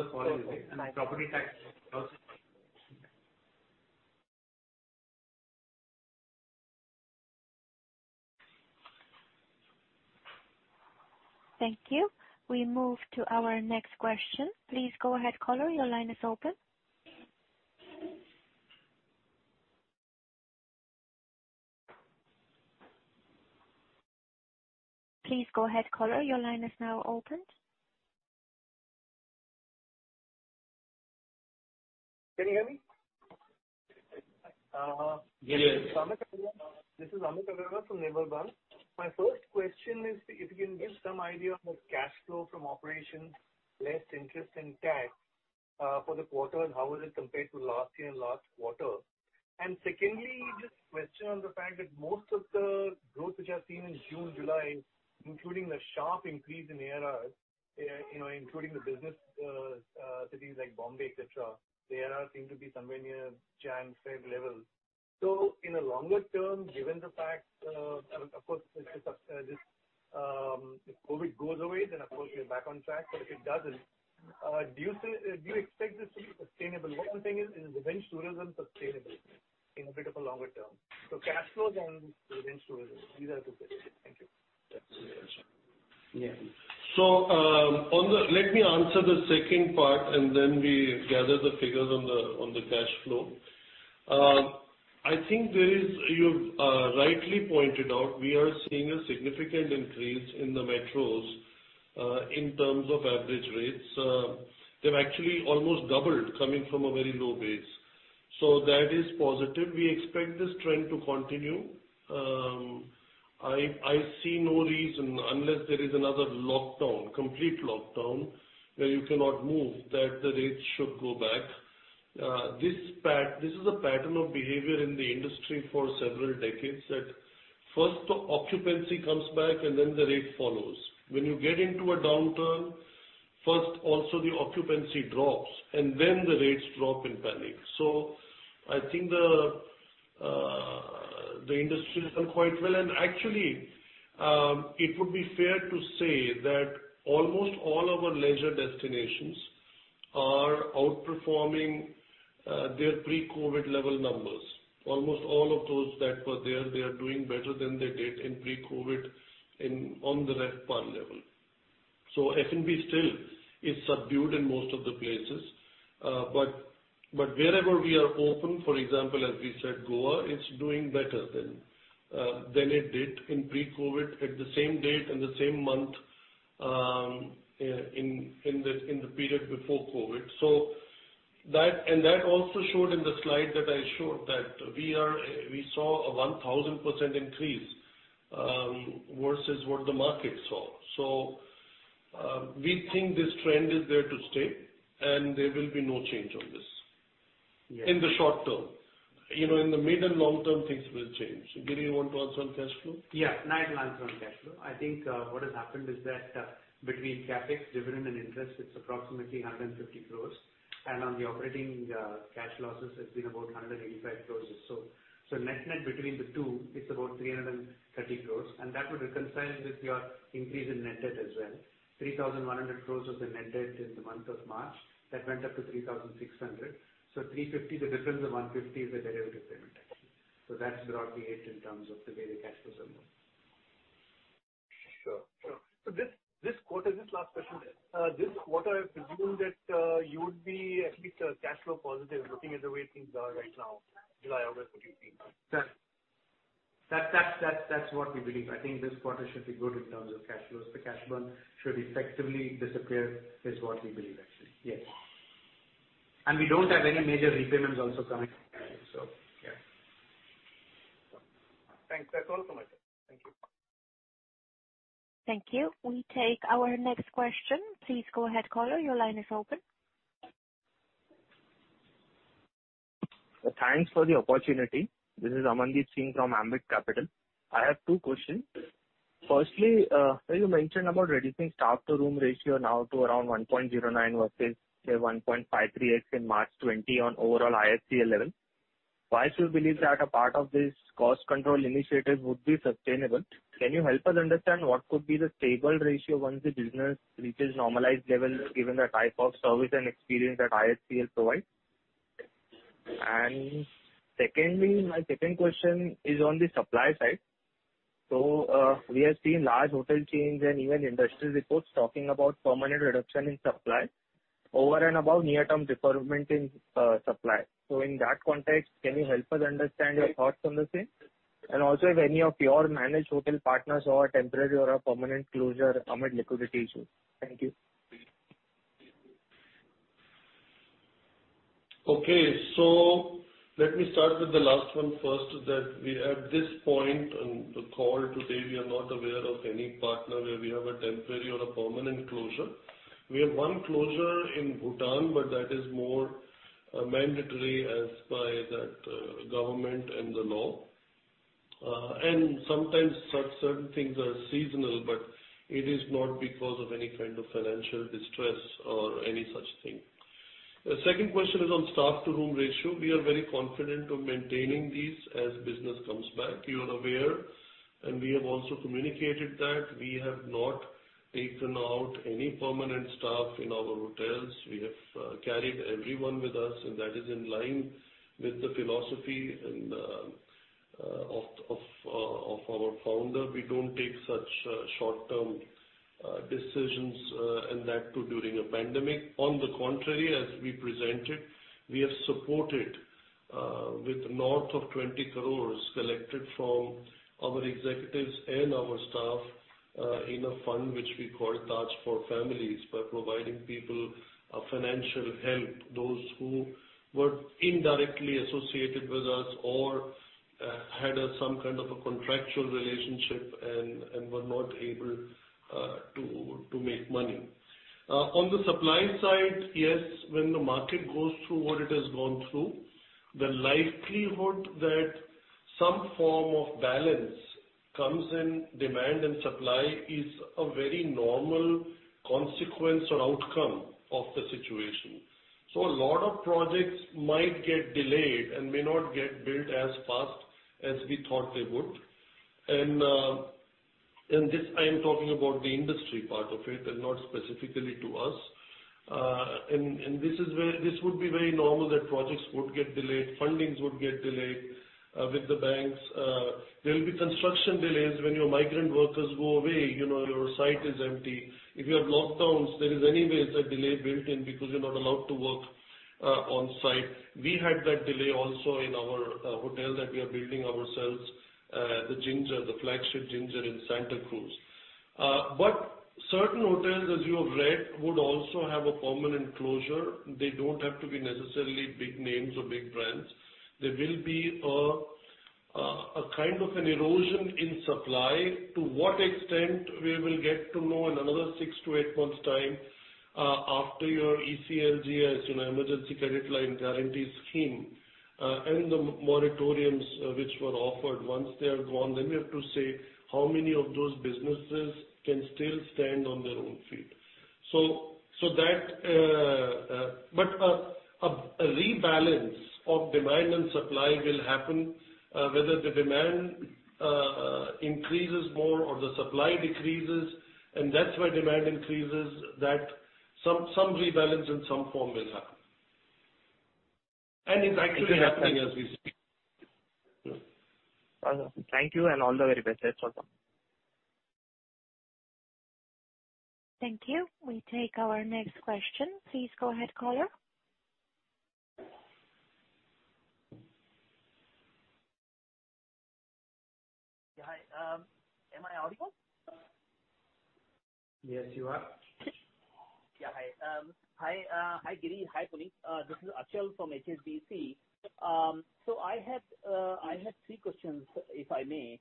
have fallen away. Property tax also. Thank you. We move to our next question. Please go ahead, caller. Your line is open. Please go ahead, caller. Your line is now open. Can you hear me? This is Amit Agarwal from Edelweiss. My first question is if you can give some idea on the cash flow from operations less interest and tax for the quarter, and how was it compared to last year and last quarter? Secondly, just a question on the fact that most of the growth which I've seen in June, July, including the sharp increase in ARRs, including the business cities like Bombay, et cetera, the ARRs seem to be somewhere near January, February levels. In the longer term, given the fact, of course, if COVID goes away, then of course we're back on track, but if it doesn't, do you expect this to be sustainable? One thing, is revenge tourism sustainable in a bit of a longer term? Cash flows and revenge tourism, these are the two questions. Thank you. Let me answer the second part and then we gather the figures on the cash flow. I think you've rightly pointed out we are seeing a significant increase in the metros in terms of average rates. They've actually almost doubled coming from a very low base. That is positive. We expect this trend to continue. I see no reason, unless there is another complete lockdown where you cannot move, that the rates should go back. This is a pattern of behavior in the industry for several decades, that first the occupancy comes back and then the rate follows. When you get into a downturn, first also the occupancy drops and then the rates drop in panic. I think the industry has done quite well. Actually, it would be fair to say that almost all our leisure destinations are outperforming their pre-COVID level numbers. Almost all of those that were there, they are doing better than they did in pre-COVID on the RevPAR level. F&B still is subdued in most of the places. Wherever we are open, for example, as we said, Goa is doing better than it did in pre-COVID at the same date and the same month in the period before COVID. That also showed in the slide that I showed that we saw a 1,000% increase versus what the market saw. We think this trend is there to stay and there will be no change on this in the short term. In the mid and long term, things will change. Girish, you want to answer on cash flow? Yeah. I will answer on cash flow. I think what has happened is that between CapEx, dividend, and interest, it is approximately 150 crores. On the operating cash losses, it has been about 185 crores or so. Net between the two, it is about 330 crores, and that would reconcile with your increase in net debt as well. 3,100 crores was the net debt in the month of March. That went up to 3,600 crores. 350 crores, the difference of 150 crores is the derivative payment actually. That is broadly it in terms of the way the cash flows are moving. Sure. This last question. This quarter I presume that you would be at least cash flow positive looking at the way things are right now, July, August. What do you think? That's what we believe. I think this quarter should be good in terms of cash flows. The cash burn should effectively disappear, is what we believe actually. Yes. We don't have any major repayments also coming. Yeah. Thanks. That's all from my side. Thank you. Thank you. We take our next question. Please go ahead caller, your line is open. Thanks for the opportunity. This is Amandeep Singh from Ambit Capital. I have two questions. Firstly, sir you mentioned about reducing staff to room ratio now to around 1.09 versus say 1.53x in March 2020 on overall IHCL level. Why do you believe that a part of this cost control initiative would be sustainable? Can you help us understand what could be the stable ratio once the business reaches normalized levels given the type of service and experience that IHCL provides? Secondly, my second question is on the supply side. We have seen large hotel chains and even industry reports talking about permanent reduction in supply over and above near-term deferment in supply. In that context, can you help us understand your thoughts on the same? Also if any of your managed hotel partners are temporary or a permanent closure amid liquidity issues. Thank you. Okay. Let me start with the last one first. We at this point in the call today, we are not aware of any partner where we have a temporary or a permanent closure. We have one closure in Bhutan, but that is more mandatory as by that government and the law. Sometimes such certain things are seasonal, but it is not because of any kind of financial distress or any such thing. The second question is on staff to room ratio. We are very confident of maintaining these as business comes back. You are aware, and we have also communicated that we have not taken out any permanent staff in our hotels. We have carried everyone with us, and that is in line with the philosophy of our founder. We don't take such short-term decisions, and that too during a pandemic. On the contrary, as we presented, we have supported with north of 20 crores collected from our executives and our staff in a fund which we call Taj for Family, by providing people a financial help, those who were indirectly associated with us or had some kind of a contractual relationship and were not able to make money. On the supply side, yes, when the market goes through what it has gone through, the likelihood that some form of balance comes in demand and supply is a very normal consequence or outcome of the situation. A lot of projects might get delayed and may not get built as fast as we thought they would. This I am talking about the industry part of it and not specifically to us. This would be very normal that projects would get delayed, fundings would get delayed with the banks. There will be construction delays when your migrant workers go away, your site is empty. If you have lockdowns, there is anyway a delay built in because you're not allowed to work on site. We had that delay also in our hotel that we are building ourselves, the flagship Ginger in Santa Cruz. Certain hotels, as you have read, would also have a permanent closure. They don't have to be necessarily big names or big brands. There will be a kind of an erosion in supply. To what extent? We will get to know in another six to eight months' time, after your ECLGS, Emergency Credit Line Guarantee Scheme, and the moratoriums which were offered. Once they are gone, then we have to see how many of those businesses can still stand on their own feet. A rebalance of demand and supply will happen, whether the demand increases more or the supply decreases, and that's why demand increases, that some rebalance in some form will happen. In fact, it is happening as we speak. Thank you, and all the very best. That's all from me. Thank you. We take our next question. Please go ahead, caller. Yeah. Hi. Am I audible? Yes, you are. Hi Giri. Hi Puneet. This is Achal from HSBC. I have three questions, if I may.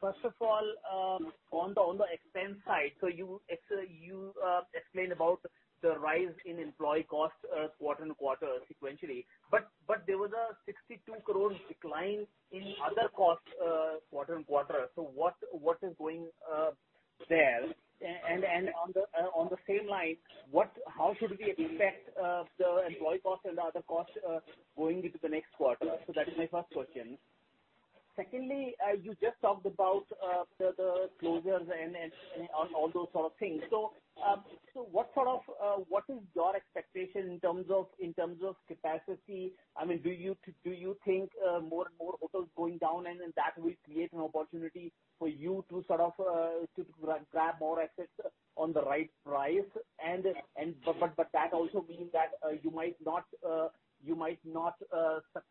First of all, on the expense side, you explained about the rise in employee cost quarter on quarter sequentially, there was a 62 crore decline in other costs, quarter on quarter. What is going there? On the same line, how should we expect the employee cost and the other cost going into the next quarter? That is my first question. Secondly, you just talked about the closures and on all those sort of things. What is your expectation in terms of capacity? Do you think more and more hotels going down, that will create an opportunity for you to grab more assets on the right price? That also means that you might not succeed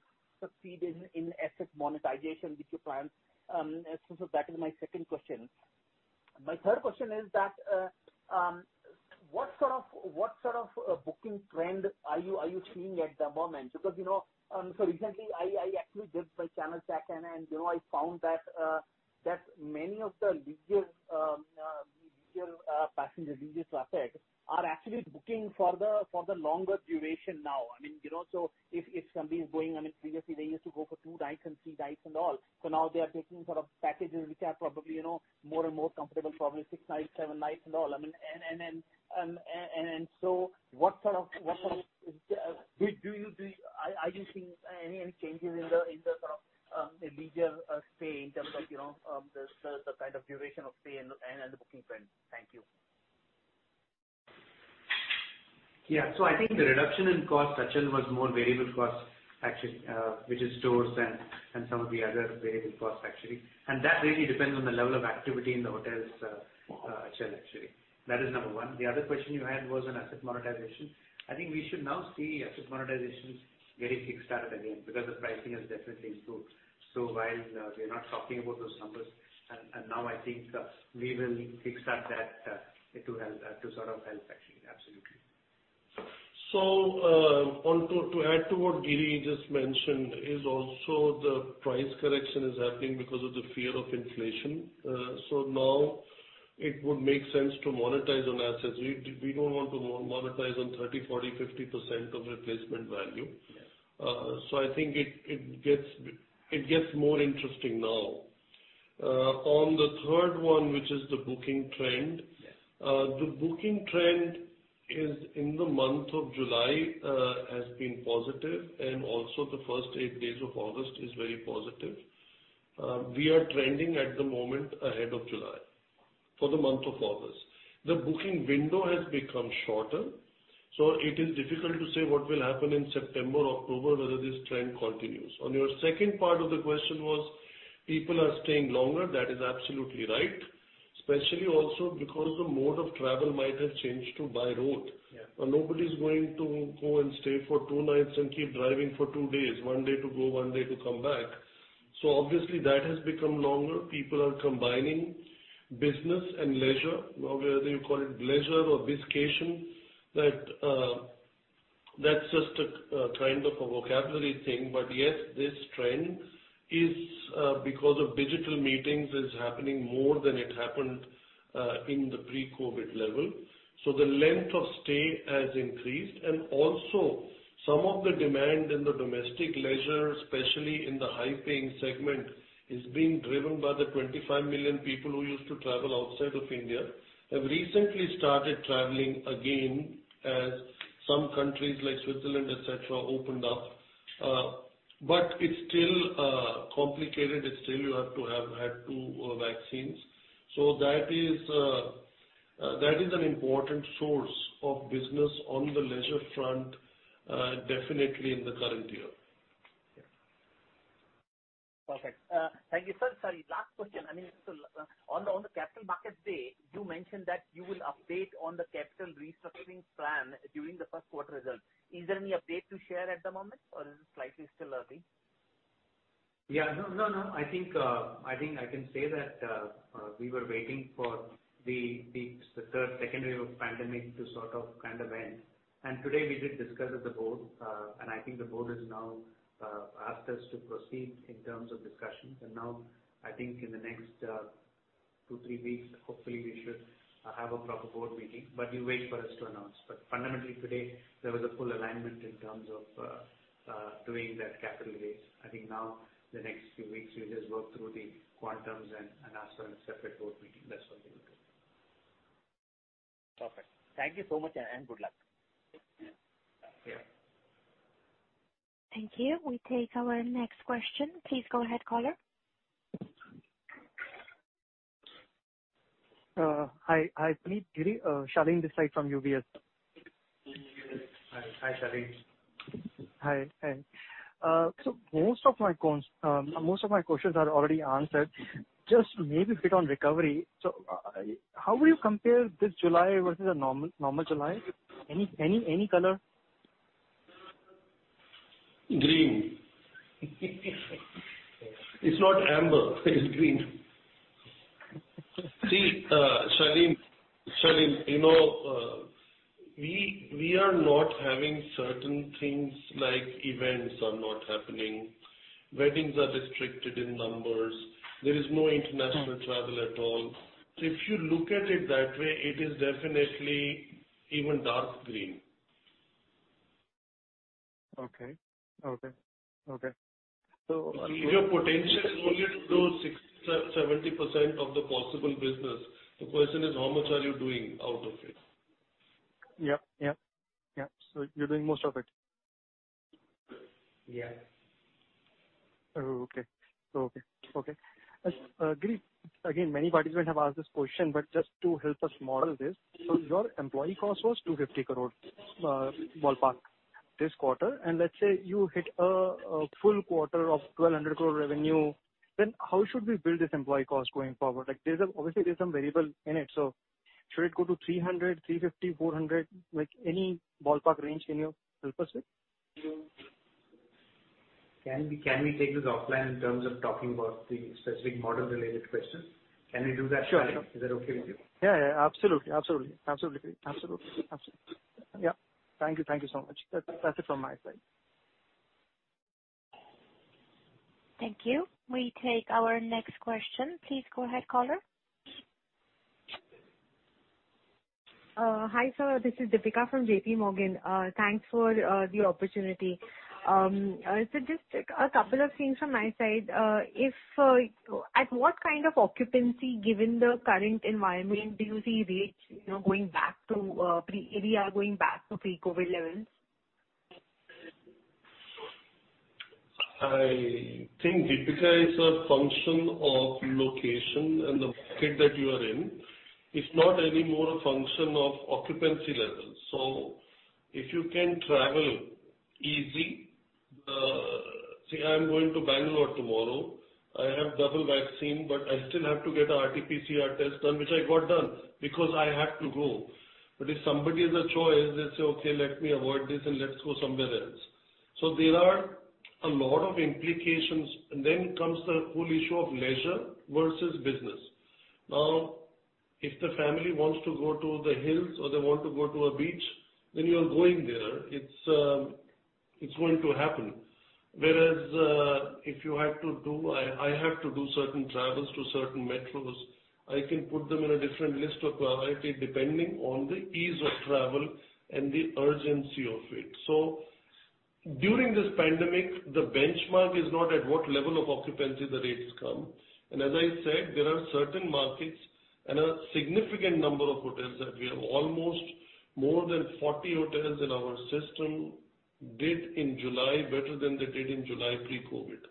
in asset monetization with your plans. That is my second question. My third question is that, what sort of booking trend are you seeing at the moment? Recently, I actually did my channel check, and I found that many of the leisure passengers, leisure traffic, are actually booking for the longer duration now. If somebody is going, previously they used to go for two nights and three nights, and all. Now they are taking sort of packages which are probably more and more comfortable, probably six nights, seven nights, and all. Are you seeing any changes in the leisure stay in terms of the kind of duration of stay and the booking trend? Thank you. I think the reduction in cost, Achal, was more variable cost actually which is stores and some of the other variable costs actually. That really depends on the level of activity in the hotels, Achal, actually. That is number one. The other question you had was on asset monetization. I think we should now see asset monetizations getting kickstarted again because the pricing has definitely improved. While we are not talking about those numbers, and now I think we will kickstart that to sort of help actually. Absolutely. To add to what Giri just mentioned is also the price correction is happening because of the fear of inflation. Now it would make sense to monetize on assets. We don't want to monetize on 30%, 40%, 50% of replacement value. Yes. I think it gets more interesting now. On the third one, which is the booking trend. The booking trend in the month of July has been positive, and also the first eight days of August is very positive. We are trending at the moment ahead of July for the month of August. The booking window has become shorter, so it is difficult to say what will happen in September, October, whether this trend continues. On your second part of the question was people are staying longer. That is absolutely right. Especially also because the mode of travel might have changed to by road. Nobody's going to go and stay for two nights and keep driving for two days, one day to go, one day to come back. Obviously that has become longer. People are combining business and leisure, whether you call it leisure or bizcation. That's just a kind of a vocabulary thing. Yes, this trend is because of digital meetings is happening more than it happened in the pre-COVID level. The length of stay has increased, and also some of the demand in the domestic leisure, especially in the high-paying segment, is being driven by the 25 million people who used to travel outside of India, have recently started traveling again as some countries like Switzerland, et cetera, opened up. It's still complicated. Still you have to have had two vaccines. That is an important source of business on the leisure front definitely in the current year. Perfect. Thank you. Sir, sorry, last question. On the Capital Markets Day, you mentioned that you will update on the capital restructuring plan during the Q1 results. Is there any update to share at the moment or is it slightly still early? I think I can say that we were waiting for the second wave of pandemic to sort of kind of end. Today we did discuss at the board. I think the board has now asked us to proceed in terms of discussions. Now I think in the next two, three weeks, hopefully we should have a proper board meeting. You wait for us to announce. Fundamentally today, there was a full alignment in terms of doing that capital raise. I think now the next few weeks we'll just work through the quantums and ask for a separate board meeting. That's what we will do. Perfect. Thank you so much and good luck. Yeah. Thank you. We take our next question. Please go ahead, caller. Hi. Puneet, Giri. Shalin this side from UBS. Hi, Shalin. Hi. Most of my questions are already answered. Just maybe a bit on recovery. How would you compare this July versus a normal July? Any color? Green. It's not amber, it's green. See, Shalin, we are not having certain things like events are not happening, weddings are restricted in numbers. There is no international travel at all. If you look at it that way, it is definitely even dark green. Okay. If your potential is only to do 70% of the possible business, the question is how much are you doing out of it? Yeah. You're doing most of it. Yes. Giri, again, many participants have asked this question, but just to help us model this. Your employee cost was 250 crore ballpark this quarter. Let's say you hit a full quarter of 1,200 crore revenue, then how should we build this employee cost going forward? Obviously, there's some variable in it. Should it go to 300, 350, 400? Like any ballpark range can you help us with? Can we take this offline in terms of talking about the specific model-related questions? Can we do that, Shalin? Sure. Is that okay with you? Yeah. Absolutely. Yeah. Thank you so much. That's it from my side. Thank you. We take our next question. Please go ahead, caller. Hi, sir. This is Deepika from J.P. Morgan. Thanks for the opportunity. Just a couple of things from my side. At what kind of occupancy, given the current environment, do you see rates going back to pre-COVID levels? I think, Deepika, it's a function of location and the market that you are in. It's not any more a function of occupancy levels. If you can travel easy. Say I'm going to Bangalore tomorrow. I have double vaccine, but I still have to get a RTPCR test done, which I got done because I have to go. If somebody has a choice, they'll say, "Okay, let me avoid this and let's go somewhere else." There are a lot of implications, and then comes the whole issue of leisure versus business. Now, if the family wants to go to the hills or they want to go to a beach, then you are going there. It's going to happen. Whereas if I have to do certain travels to certain metros, I can put them in a different list of priority depending on the ease of travel and the urgency of it. During this pandemic, the benchmark is not at what level of occupancy the rates come. As I said, there are certain markets and a significant number of hotels that we have, almost more than 40 hotels in our system did in July better than they did in July pre-COVID.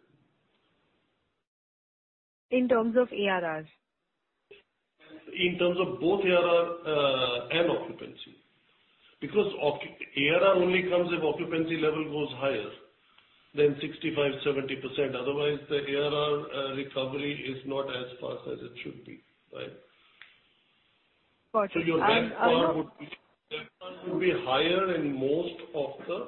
In terms of ARRs? In terms of both ARR and occupancy. ARR only comes if occupancy level goes higher than 65%, 70%. Otherwise, the ARR recovery is not as fast as it should be. Right? Got you. Your benchmark would be higher in most of the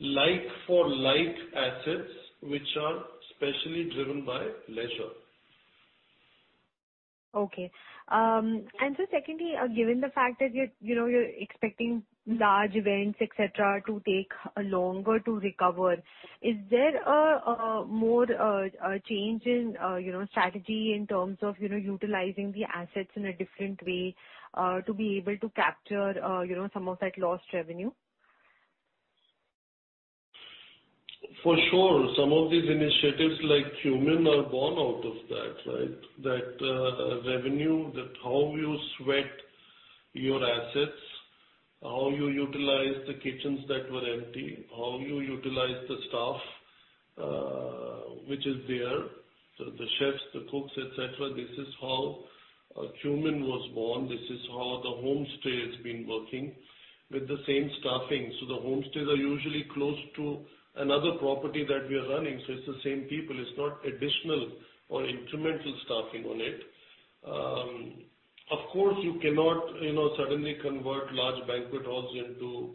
like for like assets, which are specially driven by leisure. Okay. Secondly, given the fact that you're expecting large events, et cetera, to take longer to recover, is there a more change in strategy in terms of utilizing the assets in a different way to be able to capture some of that lost revenue? For sure. Some of these initiatives like Qmin are born out of that. That revenue, that how you sweat your assets, how you utilize the kitchens that were empty, how you utilize the staff which is there, so the chefs, the cooks, et cetera. This is how Qmin was born. This is how the homestay has been working with the same staffing. So the homestays are usually close to another property that we are running. So it's the same people. It's not additional or incremental staffing on it. Of course, you cannot suddenly convert large banquet halls into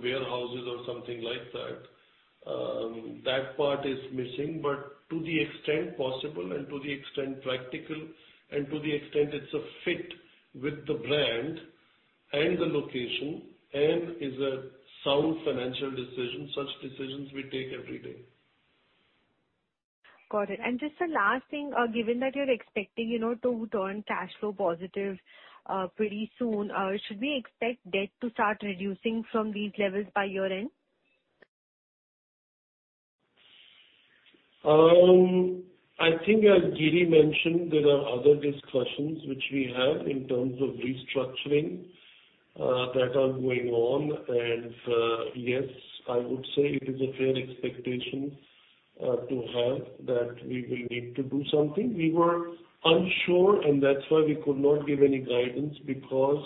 warehouses or something like that. That part is missing, but to the extent possible and to the extent practical and to the extent it's a fit with the brand and the location and is a sound financial decision, such decisions we take every day. Got it. Just the last thing, given that you're expecting to turn cash flow positive pretty soon, should we expect debt to start reducing from these levels by year-end? I think as Giri mentioned, there are other discussions which we have in terms of restructuring that are going on. Yes, I would say it is a fair expectation to have that we will need to do something. We were unsure, and that's why we could not give any guidance because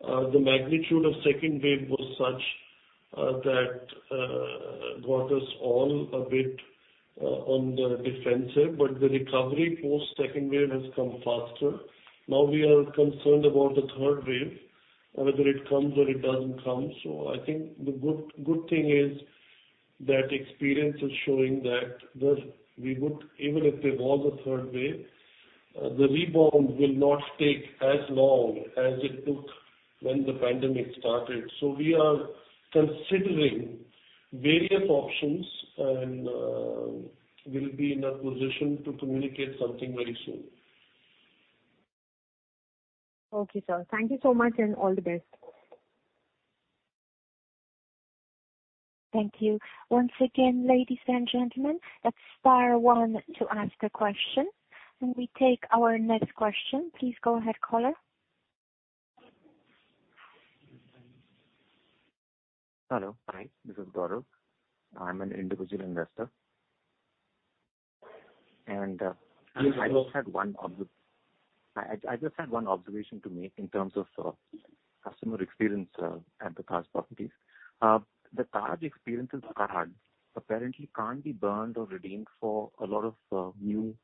the magnitude of second wave was such that got us all a bit on the defensive. The recovery post second wave has come faster. We are concerned about the third wave, whether it comes or it doesn't come. I think the good thing is that experience is showing that even if there was a third wave, the rebound will not take as long as it took when the pandemic started. We are considering various options and will be in a position to communicate something very soon. Okay, sir. Thank you so much, and all the best. Thank you. Once again, ladies and gentlemen, that's star one to ask a question. We take our next question. Please go ahead, caller. Hello. Hi, this is Gaurav. I'm an individual investor. Yes, Gaurav. I just had one observation to make in terms of customer experience at the Taj properties. The Taj Experiences card apparently can't be burned or redeemed for a lot of new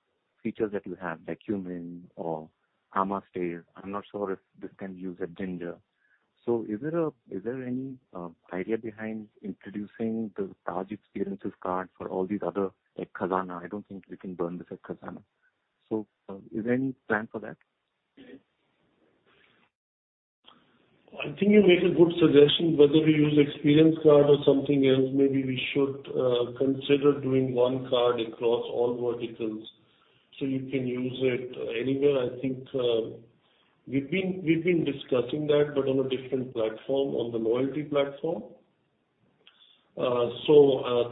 features that you have, like Qmin or amã Stay. I'm not sure if this can be used at Ginger. Is there any idea behind introducing the Taj Experiences card for all these other, like Khazana? I don't think we can burn this at Khazana. Is there any plan for that? I think you make a good suggestion, whether we use experience card or something else, maybe we should consider doing one card across all verticals so you can use it anywhere. I think we've been discussing that, but on a different platform, on the loyalty platform.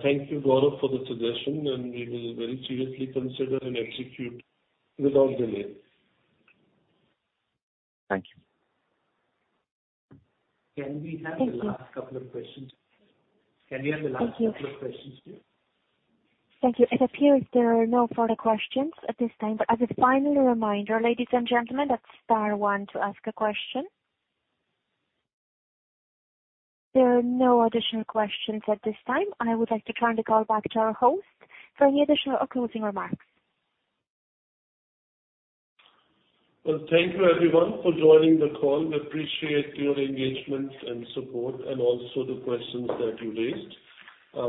Thank you, Gaurav, for the suggestion, and we will very seriously consider and execute without delay. Thank you. Thank you. Can we have the last couple of questions? Thank you. Can we have the last couple of questions, please? Thank you. It appears there are no further questions at this time, but as a final reminder, ladies and gentlemen, that's star one to ask a question. There are no additional questions at this time. I would like to turn the call back to our host for any additional or closing remarks. Well, thank you everyone for joining the call. We appreciate your engagement and support and also the questions that you raised.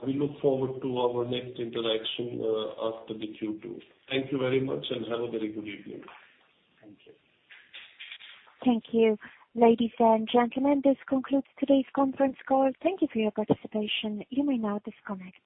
We look forward to our next interaction after the Q2. Thank you very much and have a very good evening. Thank you. Ladies and gentlemen, this concludes today's conference call. Thank you for your participation. You may now disconnect.